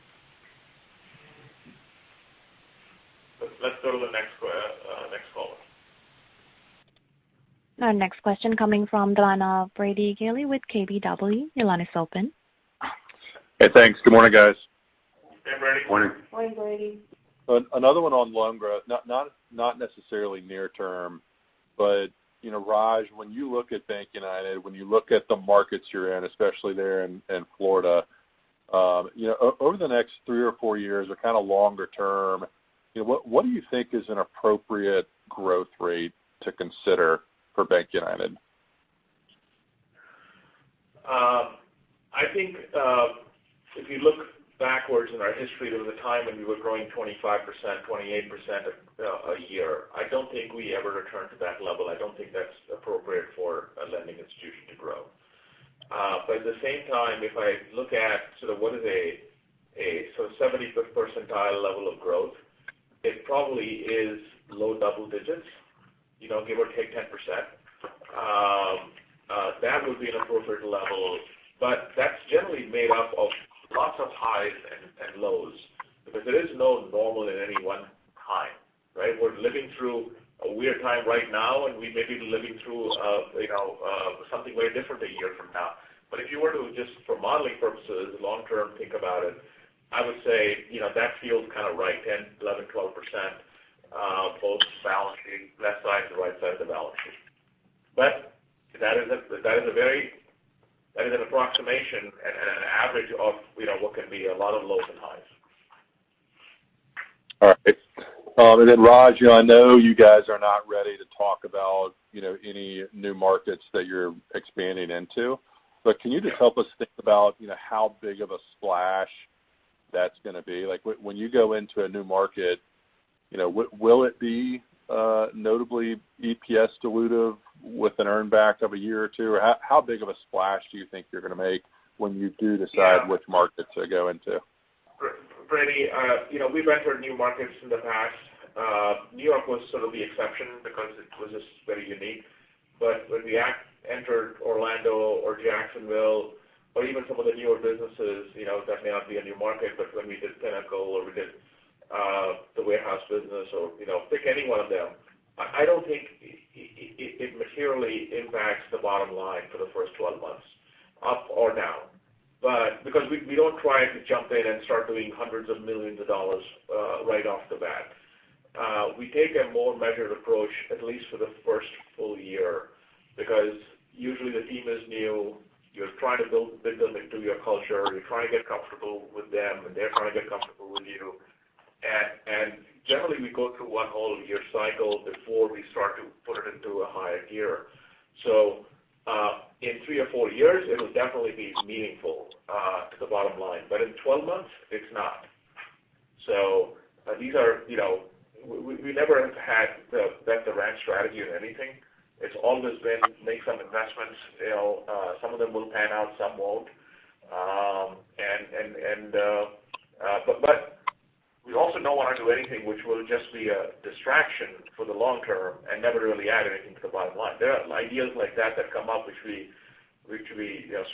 Let's go to the next caller. Our next question coming from the line of Brady Gailey with KBW. Your line is open. Hey, thanks. Good morning, guys. Hey, Brady. Morning. Morning, Brady. Another one on loan growth, not necessarily near term, but Raj, when you look at BankUnited, when you look at the markets you're in, especially there in Florida, over the next three or four years or kind of longer term, what do you think is an appropriate growth rate to consider for BankUnited? I think if you look backwards in our history, there was a time when we were growing 25%, 28% a year. I don't think we ever return to that level. I don't think that's appropriate for a lending institution to grow. At the same time, if I look at sort of what is a sort of 75th percentile level of growth, it probably is low double digits, give or take 10%. That would be an appropriate level, but that's generally made up of lots of highs and lows because there is no normal at any one time, right? We're living through a weird time right now, and we may be living through something very different a year from now. If you were to just for modeling purposes long-term think about it, I would say that feels kind of right, 10%, 11%, 12% both sides, left side to right side of the balance sheet. That is an approximation and an average of what can be a lot of lows and highs. All right. Raj, I know you guys are not ready to talk about any new markets that you're expanding into. Can you just help us think about how big of a splash that's going to be? When you go into a new market, will it be notably EPS dilutive with an earn back of a year or two? How big of a splash do you think you're going to make when you do decide which market to go into? Brady, we've entered new markets in the past. New York was sort of the exception because it was just very unique. When we entered Orlando or Jacksonville or even some of the newer businesses, that may not be a new market, but when we did Pinnacle or we did the warehouse business or pick any one of them, I don't think it materially impacts the bottom line for the first 12 months, up or down. We don't try to jump in and start doing hundreds of millions of dollars right off the bat. We take a more measured approach, at least for the first full year, because usually the team is new. You're trying to build them into your culture. You're trying to get comfortable with them, and they're trying to get comfortable with you. Generally, we go through one whole year cycle before we start to put it into a higher gear. In three or four years, it'll definitely be meaningful to the bottom line. In 12 months, it's not. We never have had the bet the ranch strategy in anything. It's always been make some investments. Some of them will pan out, some won't. We also don't want to do anything which will just be a distraction for the long term and never really add anything to the bottom line. There are ideas like that that come up, which we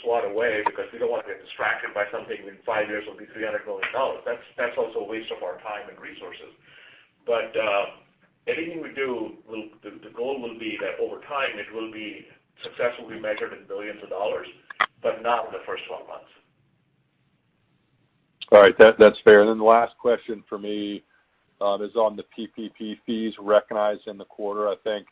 swat away because we don't want to get distracted by something in five years will be $300 million. That's also a waste of our time and resources. Anything we do, the goal will be that over time it will be successfully measured in billions of dollars, but not in the first 12 months. All right. That's fair. The last question from me is on the PPP fees recognized in the quarter. I think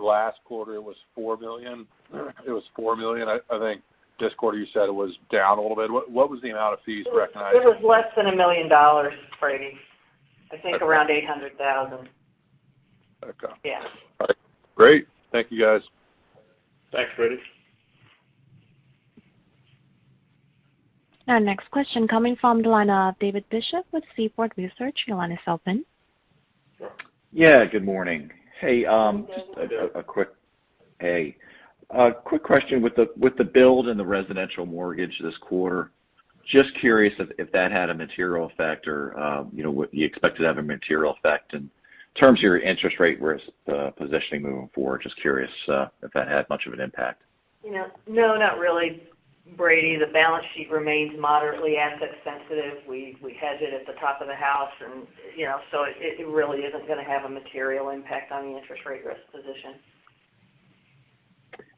last quarter it was $4 million. I think this quarter you said it was down a little bit. What was the amount of fees recognized? It was less than $1 million, Brady. Okay. I think around $800,000. Okay. Yeah. All right. Great. Thank you, guys. Thanks, Brady. Our next question coming from the line of David Bishop with Seaport Research. Your line is open. Sure. Yeah, good morning. Good morning, David. Hey. A quick question with the build and the residential mortgage this quarter. Just curious if that had a material effect or, would you expect to have a material effect in terms of your interest rate risk positioning moving forward? Just curious if that had much of an impact. No, not really, Brady. The balance sheet remains moderately asset sensitive. It really isn't going to have a material impact on the interest rate risk position.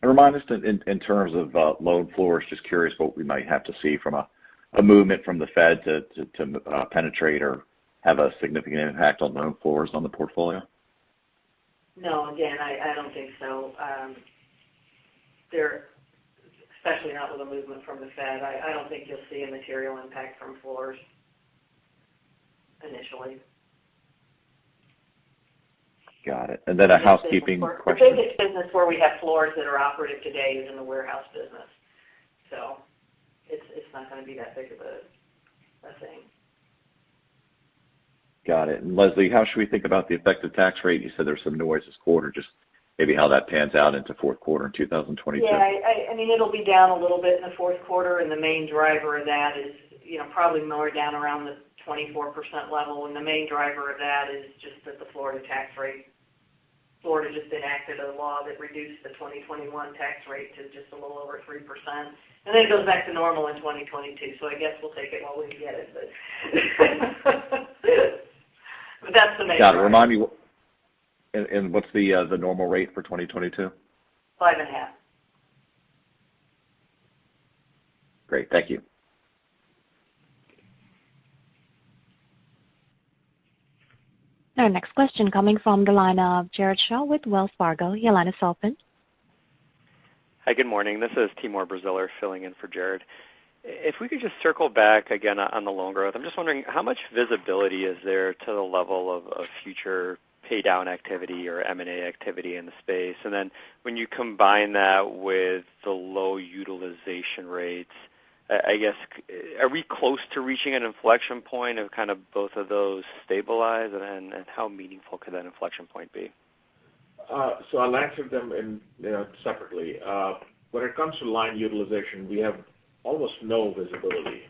Remind us in terms of loan floors, just curious what we might have to see from a movement from the Fed to penetrate or have a significant impact on loan floors on the portfolio. No, again, I don't think so. Especially not with a movement from the Fed. I don't think you'll see a material impact from floors initially. Got it. A housekeeping question? The biggest business where we have floors that are operative today is in the warehouse business. It's not going to be that big of a thing. Got it. Leslie, how should we think about the effective tax rate? You said there's some noise this quarter, just maybe how that pans out into fourth quarter in 2022. Yeah. It'll be down a little bit in the fourth quarter. The main driver of that is probably more down around the 24% level. The main driver of that is just that the Florida tax rate. Florida just enacted a law that reduced the 2021 tax rate to just a little over 3%, and then it goes back to normal in 2022. I guess we'll take it while we can get it, but that's the main driver. Got it. Remind me, what's the normal rate for 2022? 5.5%. Great. Thank you. Our next question coming from the line of Jared Shaw with Wells Fargo. Your line is open. Hi, good morning. This is Timur Braziler filling in for Jared. If we could just circle back again on the loan growth. I'm just wondering how much visibility is there to the level of future pay down activity or M&A activity in the space? When you combine that with the low utilization rates, I guess, are we close to reaching an inflection point of kind of both of those stabilize and then how meaningful could that inflection point be? I'll answer them separately. When it comes to line utilization, we have almost no visibility.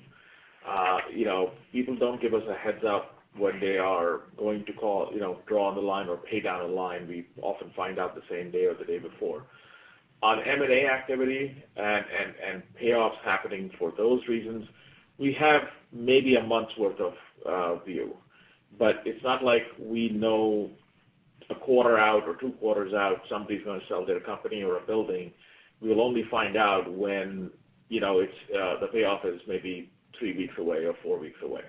People don't give us a heads up when they are going to call, draw on the line, or pay down a line. We often find out the same day or the day before. On M&A activity and payoffs happening for those reasons, we have maybe a month's worth of view. It's not like we know a quarter out or two quarters out, somebody's going to sell their company or a building. We'll only find out when the payoff is maybe three weeks away or four weeks away.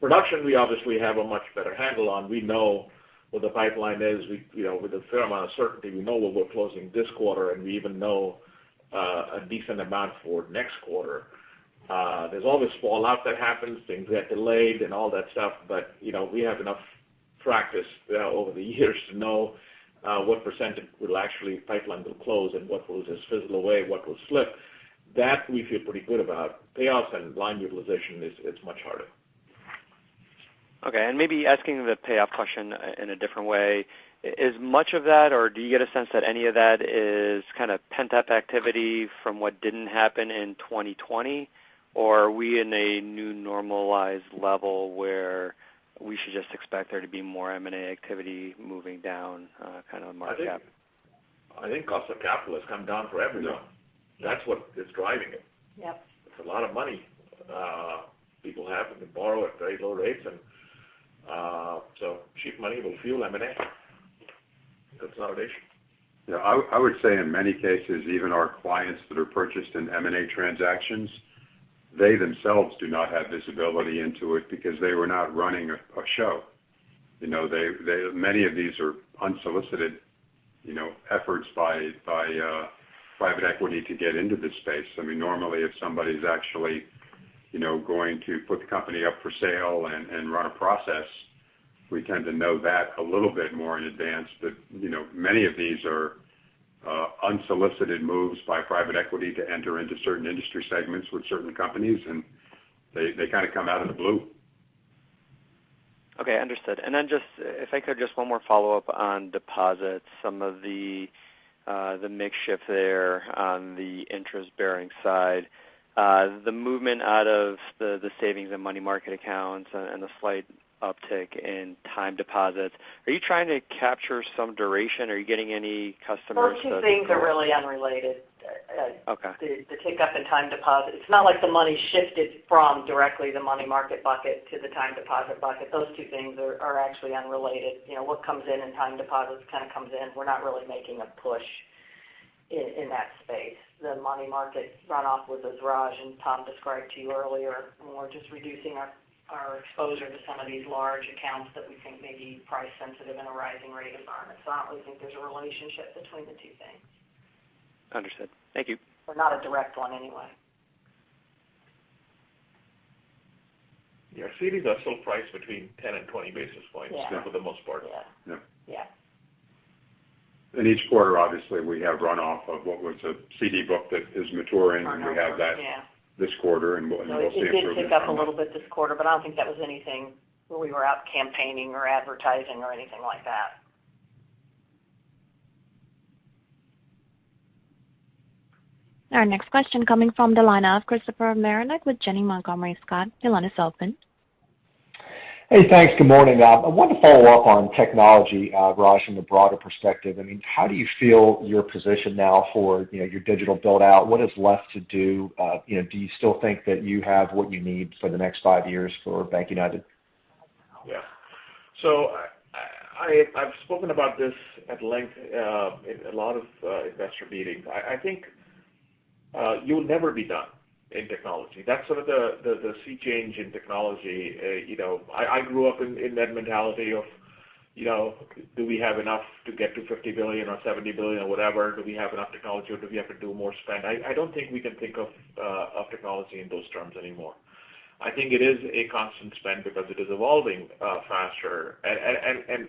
Production, we obviously have a much better handle on. We know what the pipeline is. With a fair amount of certainty, we know what we're closing this quarter. We even know a decent amount for next quarter. There's always fallout that happens, things get delayed and all that stuff, but we have enough practice over the years to know what percentage will actually pipeline will close and what will just fizzle away, what will slip. That we feel pretty good about. Payoffs and line utilization is much harder. Okay, maybe asking the payoff question in a different way. Is much of that or do you get a sense that any of that is kind of pent-up activity from what didn't happen in 2020? Are we in a new normalized level where we should just expect there to be more M&A activity moving down kind of the market? I think cost of capital has come down for everyone. Yeah. That's what is driving it. Yep. It's a lot of money. People happen to borrow at very low rates, cheap money will fuel M&A. That's not an issue. Yeah. I would say in many cases, even our clients that are purchased in M&A transactions, they themselves do not have visibility into it because they were not running a show. Many of these are unsolicited efforts by private equity to get into this space. I mean, normally, if somebody's actually going to put the company up for sale and run a process, we tend to know that a little bit more in advance. Many of these are unsolicited moves by private equity to enter into certain industry segments with certain companies, and they kind of come out of the blue. Okay, understood. Just if I could, just one more follow-up on deposits. Some of the mix shift there on the interest bearing side. The movement out of the savings and money market accounts and the slight uptick in time deposits. Are you trying to capture some duration? Are you getting any customers that- Those two things are really unrelated. Okay. The tick up in time deposit, it's not like the money shifted from directly the money market bucket to the time deposit bucket. Those two things are actually unrelated. What comes in time deposits comes in. We're not really making a push in that space. The money market runoff was as Raj and Tom described to you earlier, and we're just reducing our exposure to some of these large accounts that we think may be price sensitive in a rising rate environment. I don't really think there's a relationship between the two things. Understood. Thank you. Not a direct one anyway. Yeah. CDs are still priced between 10 and 20 basis points. Yeah for the most part. Yeah. Yeah. Yeah. In each quarter, obviously, we have runoff of what was a CD book that is maturing. On our books, yeah. We have that this quarter. It did tick up a little bit this quarter, but I don't think that was anything where we were out campaigning or advertising or anything like that. Our next question coming from the line of Christopher Marinac with Janney Montgomery Scott. Your line is open. Hey, thanks. Good morning. I wanted to follow up on technology, Raj, from the broader perspective. How do you feel your position now for your digital build-out? What is left to do? Do you still think that you have what you need for the next five years for BankUnited? Yeah. I've spoken about this at length in a lot of investor meetings. I think you'll never be done in technology. That's sort of the sea change in technology. I grew up in that mentality of, do we have enough to get to $50 billion or $70 billion or whatever? Do we have enough technology, or do we have to do more spend? I don't think we can think of technology in those terms anymore. I think it is a constant spend because it is evolving faster. I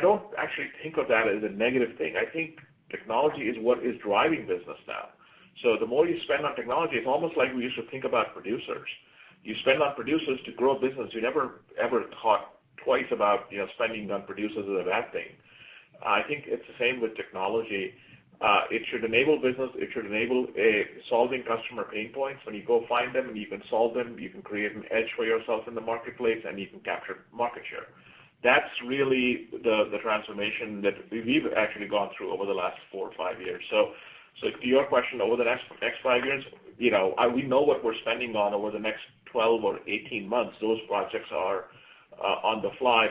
don't actually think of that as a negative thing. I think technology is what is driving business now. The more you spend on technology, it's almost like we used to think about producers. You spend on producers to grow a business. You never ever thought twice about spending on producers as a bad thing. I think it's the same with technology. It should enable business. It should enable solving customer pain points. When you go find them and you can solve them, you can create an edge for yourself in the marketplace, and you can capture market share. That's really the transformation that we've actually gone through over the last four or five years. To your question, over the next five years, we know what we're spending on over the next 12 or 18 months. Those projects are on the fly.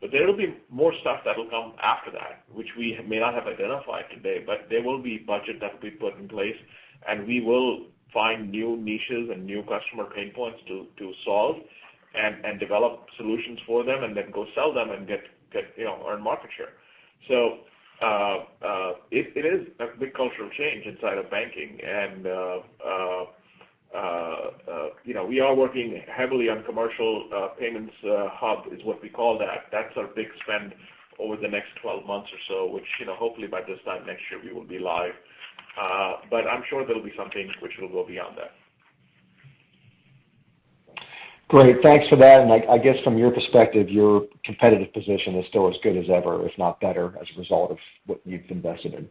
There will be more stuff that'll come after that, which we may not have identified today, but there will be budget that will be put in place, and we will find new niches and new customer pain points to solve and develop solutions for them, and then go sell them and earn market share. It is a big cultural change inside of banking. We are working heavily on Commercial Payments Hub is what we call that. That's our big spend over the next 12 months or so, which hopefully by this time next year we will be live. I'm sure there will be some things which will go beyond that. Great. Thanks for that. I guess from your perspective, your competitive position is still as good as ever, if not better, as a result of what you've invested in.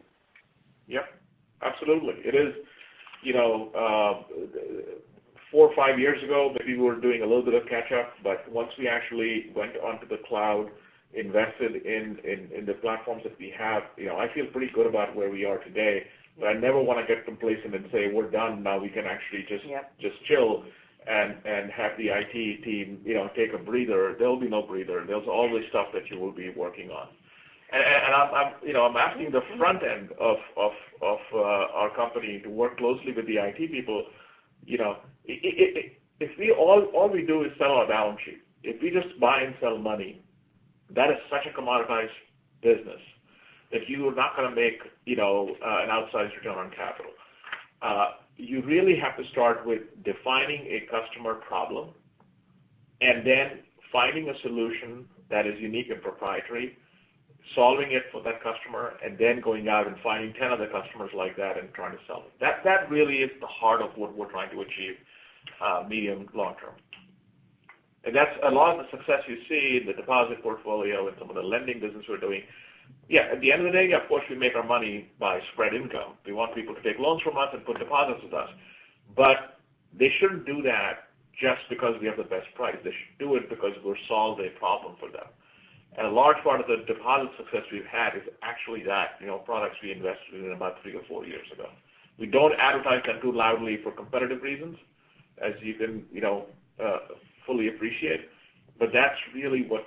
Yep. Absolutely. Four or five years ago, maybe we were doing a little bit of catch up, but once we actually went onto the cloud, invested in the platforms that we have, I feel pretty good about where we are today. I never want to get complacent and say, "We're done now we can actually just chill and have the IT team take a breather." There'll be no breather. There's always stuff that you will be working on. I'm asking the front end of our company to work closely with the IT people. If all we do is sell our balance sheet, if we just buy and sell money, that is such a commoditized business that you are not going to make an outsized return on capital. You really have to start with defining a customer problem and then finding a solution that is unique and proprietary, solving it for that customer, and then going out and finding 10 other customers like that and trying to sell it. That really is the heart of what we're trying to achieve medium, long term. That's a lot of the success you see in the deposit portfolio and some of the lending business we're doing. Yeah, at the end of the day, of course, we make our money by spread income. We want people to take loans from us and put deposits with us. They shouldn't do that just because we have the best price. They should do it because we'll solve a problem for them. A large part of the deposit success we've had is actually that, products we invested in about three or four years ago. We don't advertise them too loudly for competitive reasons, as you can fully appreciate. That's really what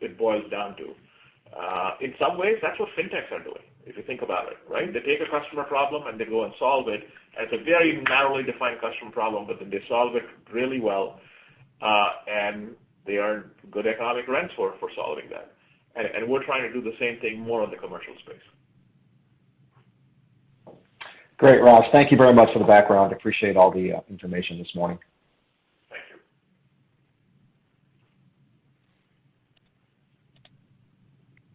it boils down to. In some ways, that's what fintechs are doing, if you think about it, right? They take a customer problem, and they go and solve it. It's a very narrowly defined customer problem, but then they solve it really well. They earn good economic rents for solving that. We're trying to do the same thing more on the commercial space. Great, Raj. Thank you very much for the background. Appreciate all the information this morning.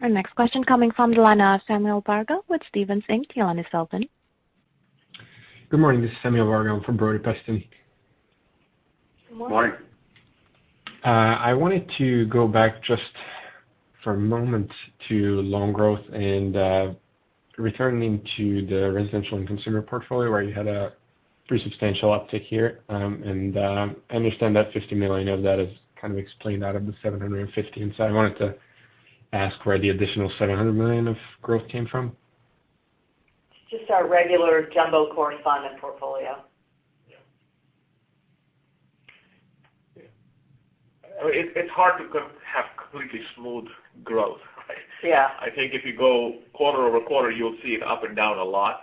Thank you. Our next question coming from the line of [Samuel Vargo] with Stephens Inc. Your line is open. Good morning. This is Samuel Vargo] for Brody Preston. Good morning. Morning. I wanted to go back just for a moment to loan growth and returning to the residential and consumer portfolio where you had a pretty substantial uptick here. I understand that $50 million of that is kind of explained out of the $750 million. I wanted to ask where the additional $700 million of growth came from. It's just our regular jumbo correspondent portfolio. Yeah. It's hard to have completely smooth growth, right? Yeah. I think if you go quarter-over-quarter, you'll see it up and down a lot.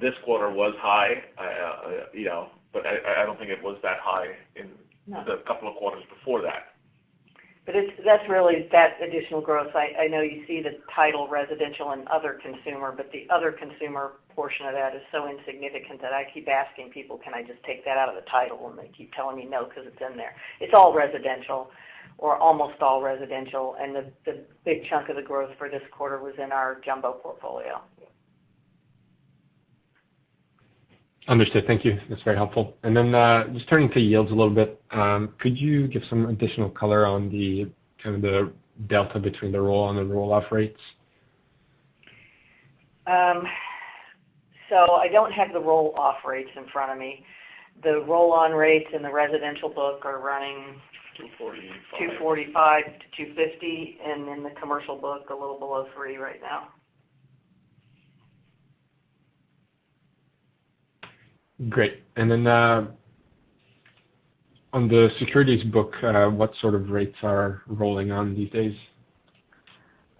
This quarter was high. I don't think it was that high in- No the couple of quarters before that. That's really that additional growth. I know you see the title residential and other consumer, but the other consumer portion of that is so insignificant that I keep asking people, "Can I just take that out of the title?" They keep telling me no because it's in there. It's all residential or almost all residential. The big chunk of the growth for this quarter was in our jumbo portfolio. Understood. Thank you. That's very helpful. Then just turning to yields a little bit, could you give some additional color on the kind of the delta between the roll and the roll-off rates? I don't have the roll-off rates in front of me. The roll-on rates in the residential book are running- 2.45%. 2.45%-2.50%, and then the commercial book, a little below 3% right now. Great. On the securities book, what sort of rates are rolling on these days?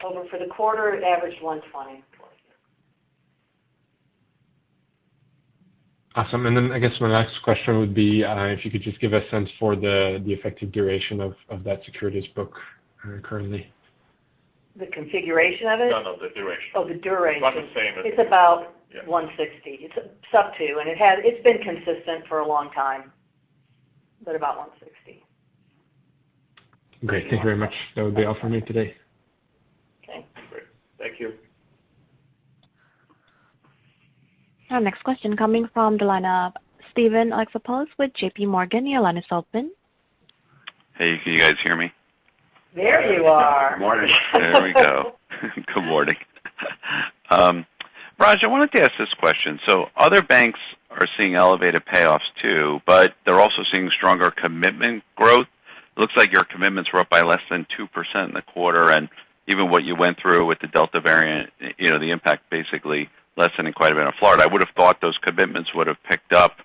For the quarter, it averaged 120 basis points for us. Awesome. I guess my last question would be if you could just give a sense for the effective duration of that securities book currently. The configuration of it? No, no, the duration. Oh, the duration. It's on the same as. It's about 160 basis points. It's up to, and it's been consistent for a long time, but about 160 basis points. Great. Thank you very much. That would be all for me today. Okay. Great. Thank you. Our next question coming from the line of Steven Alexopoulos with JPMorgan. Your line is open. Hey, can you guys hear me? There you are. Morning. There we go. Good morning. Raj, I wanted to ask this question. Other banks are seeing elevated payoffs too, but they're also seeing stronger commitment growth. Looks like your commitments were up by less than 2% in the quarter. Even what you went through with the Delta variant, the impact basically lessening quite a bit in Florida. I would've thought those commitments would've picked up.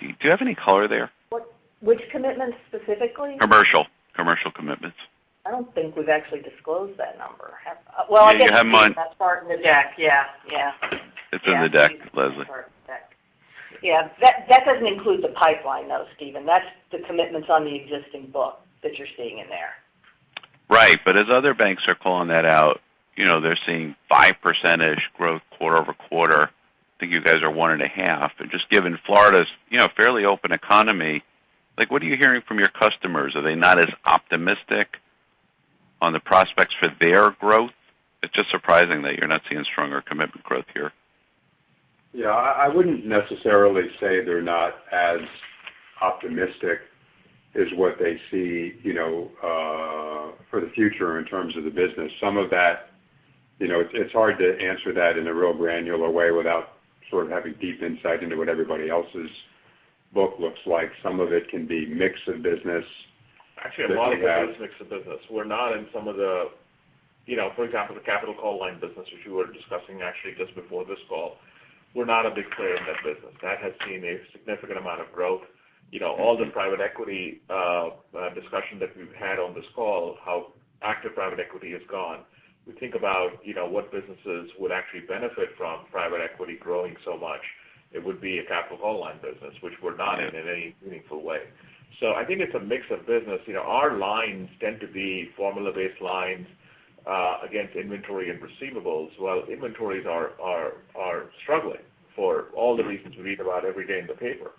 Do you have any color there? Which commitments specifically? Commercial. Commercial commitments. I don't think we've actually disclosed that number. Yeah, you have mine. That's part in the deck. Yeah. It's in the deck, Leslie. Yeah. That doesn't include the pipeline though, Steven. That's the commitments on the existing book that you're seeing in there. Right. As other banks are calling that out, they're seeing 5% growth quarter-over-quarter. I think you guys are 1.5%. Just given Florida's fairly open economy, what are you hearing from your customers? Are they not as optimistic on the prospects for their growth? It's just surprising that you're not seeing stronger commitment growth here. Yeah, I wouldn't necessarily say they're not as optimistic is what they see for the future in terms of the business. Some of that, it's hard to answer that in a real granular way without sort of having deep insight into what everybody else's book looks like. Some of it can be mix of business that they have. Actually, a lot of it is mix of business. We're not in some of the, for example, the capital call line business, which you were discussing actually just before this call. We're not a big player in that business. That has seen a significant amount of growth. All the private equity discussion that we've had on this call, how active private equity has gone. We think about what businesses would actually benefit from private equity growing so much. It would be a capital call line business, which we're not in any meaningful way. I think it's a mix of business. Our lines tend to be formula-based lines against inventory and receivables, while inventories are struggling for all the reasons we read about every day in the paper.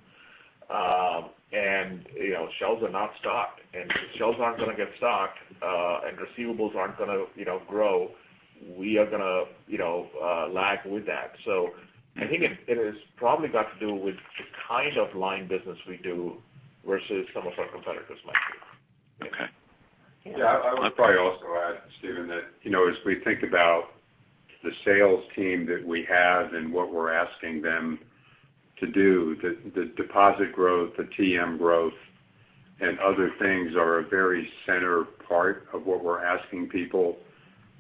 Shelves are not stocked, and if shelves aren't going to get stocked, and receivables aren't going to grow, we are going to lag with that. I think it has probably got to do with the kind of line business we do versus some of our competitors might do. Okay. Yeah. I would probably also add, Steven, that as we think about the sales team that we have and what we're asking them to do, the deposit growth, the TM growth, and other things are a very center part of what we're asking people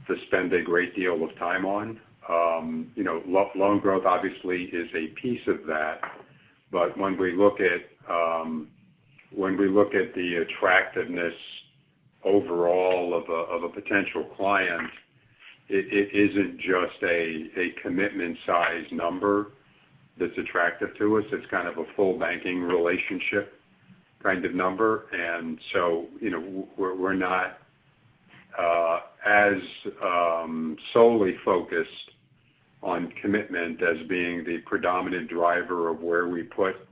to spend a great deal of time on. Loan growth obviously is a piece of that, but when we look at the attractiveness overall of a potential client, it isn't just a commitment size number that's attractive to us. It's kind of a full banking relationship kind of number. We're not as solely focused on commitment as being the predominant driver of where we put-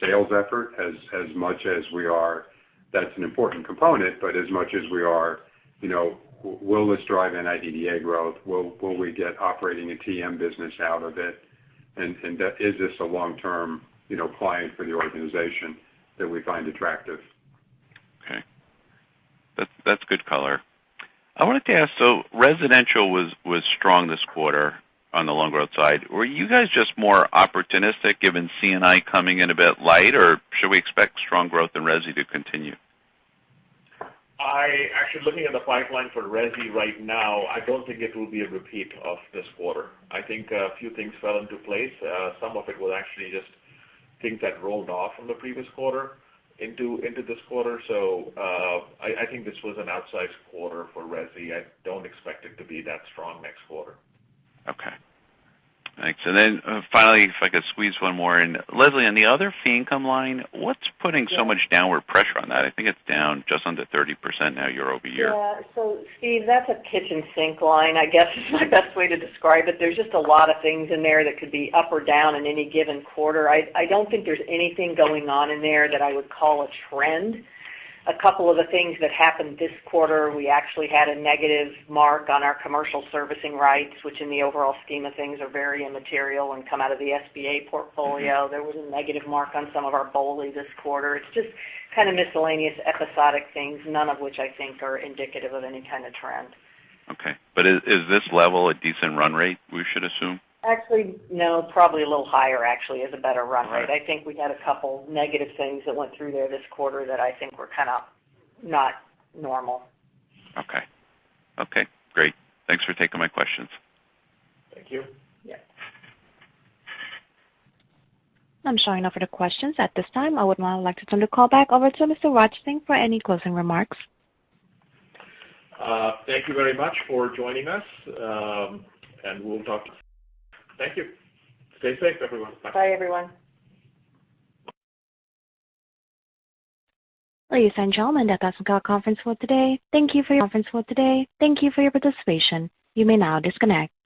sales effort as much as we are. That's an important component, but as much as we are, will this drive NIDDA growth? Will we get operating a TM business out of it? Is this a long-term client for the organization that we find attractive? Okay. That's good color. I wanted to ask, so residential was strong this quarter on the loan growth side. Were you guys just more opportunistic given C&I coming in a bit light, or should we expect strong growth in resi to continue? Actually looking at the pipeline for resi right now, I don't think it will be a repeat of this quarter. I think a few things fell into place. Some of it was actually just things that rolled off from the previous quarter into this quarter. I think this was an outsized quarter for resi. I don't expect it to be that strong next quarter. Okay. Thanks. Finally, if I could squeeze one more in. Leslie, on the other fee income line, what's putting so much downward pressure on that? I think it's down just under 30% now year-over-year. Yeah. Steve, that's a kitchen sink line, I guess is my best way to describe it. There's just a lot of things in there that could be up or down in any given quarter. I don't think there's anything going on in there that I would call a trend. A couple of the things that happened this quarter, we actually had a negative mark on our commercial servicing rights, which in the overall scheme of things are very immaterial and come out of the SBA portfolio. There was a negative mark on some of our BOLI this quarter. It's just kind of miscellaneous episodic things, none of which I think are indicative of any kind of trend. Okay. Is this level a decent run rate, we should assume? Actually, no. Probably a little higher actually is a better run rate. All right. I think we had a couple negative things that went through there this quarter that I think were kind of not normal. Okay. Great. Thanks for taking my questions. Thank you. Yeah. I'm showing no further questions at this time. I would now like to turn the call back over to Mr. Raj Singh for any closing remarks. Thank you very much for joining us. Thank you. Stay safe, everyone. Bye. Bye, everyone. Ladies and gentlemen, that does conclude conference call today. Thank you for your participation. You may now disconnect.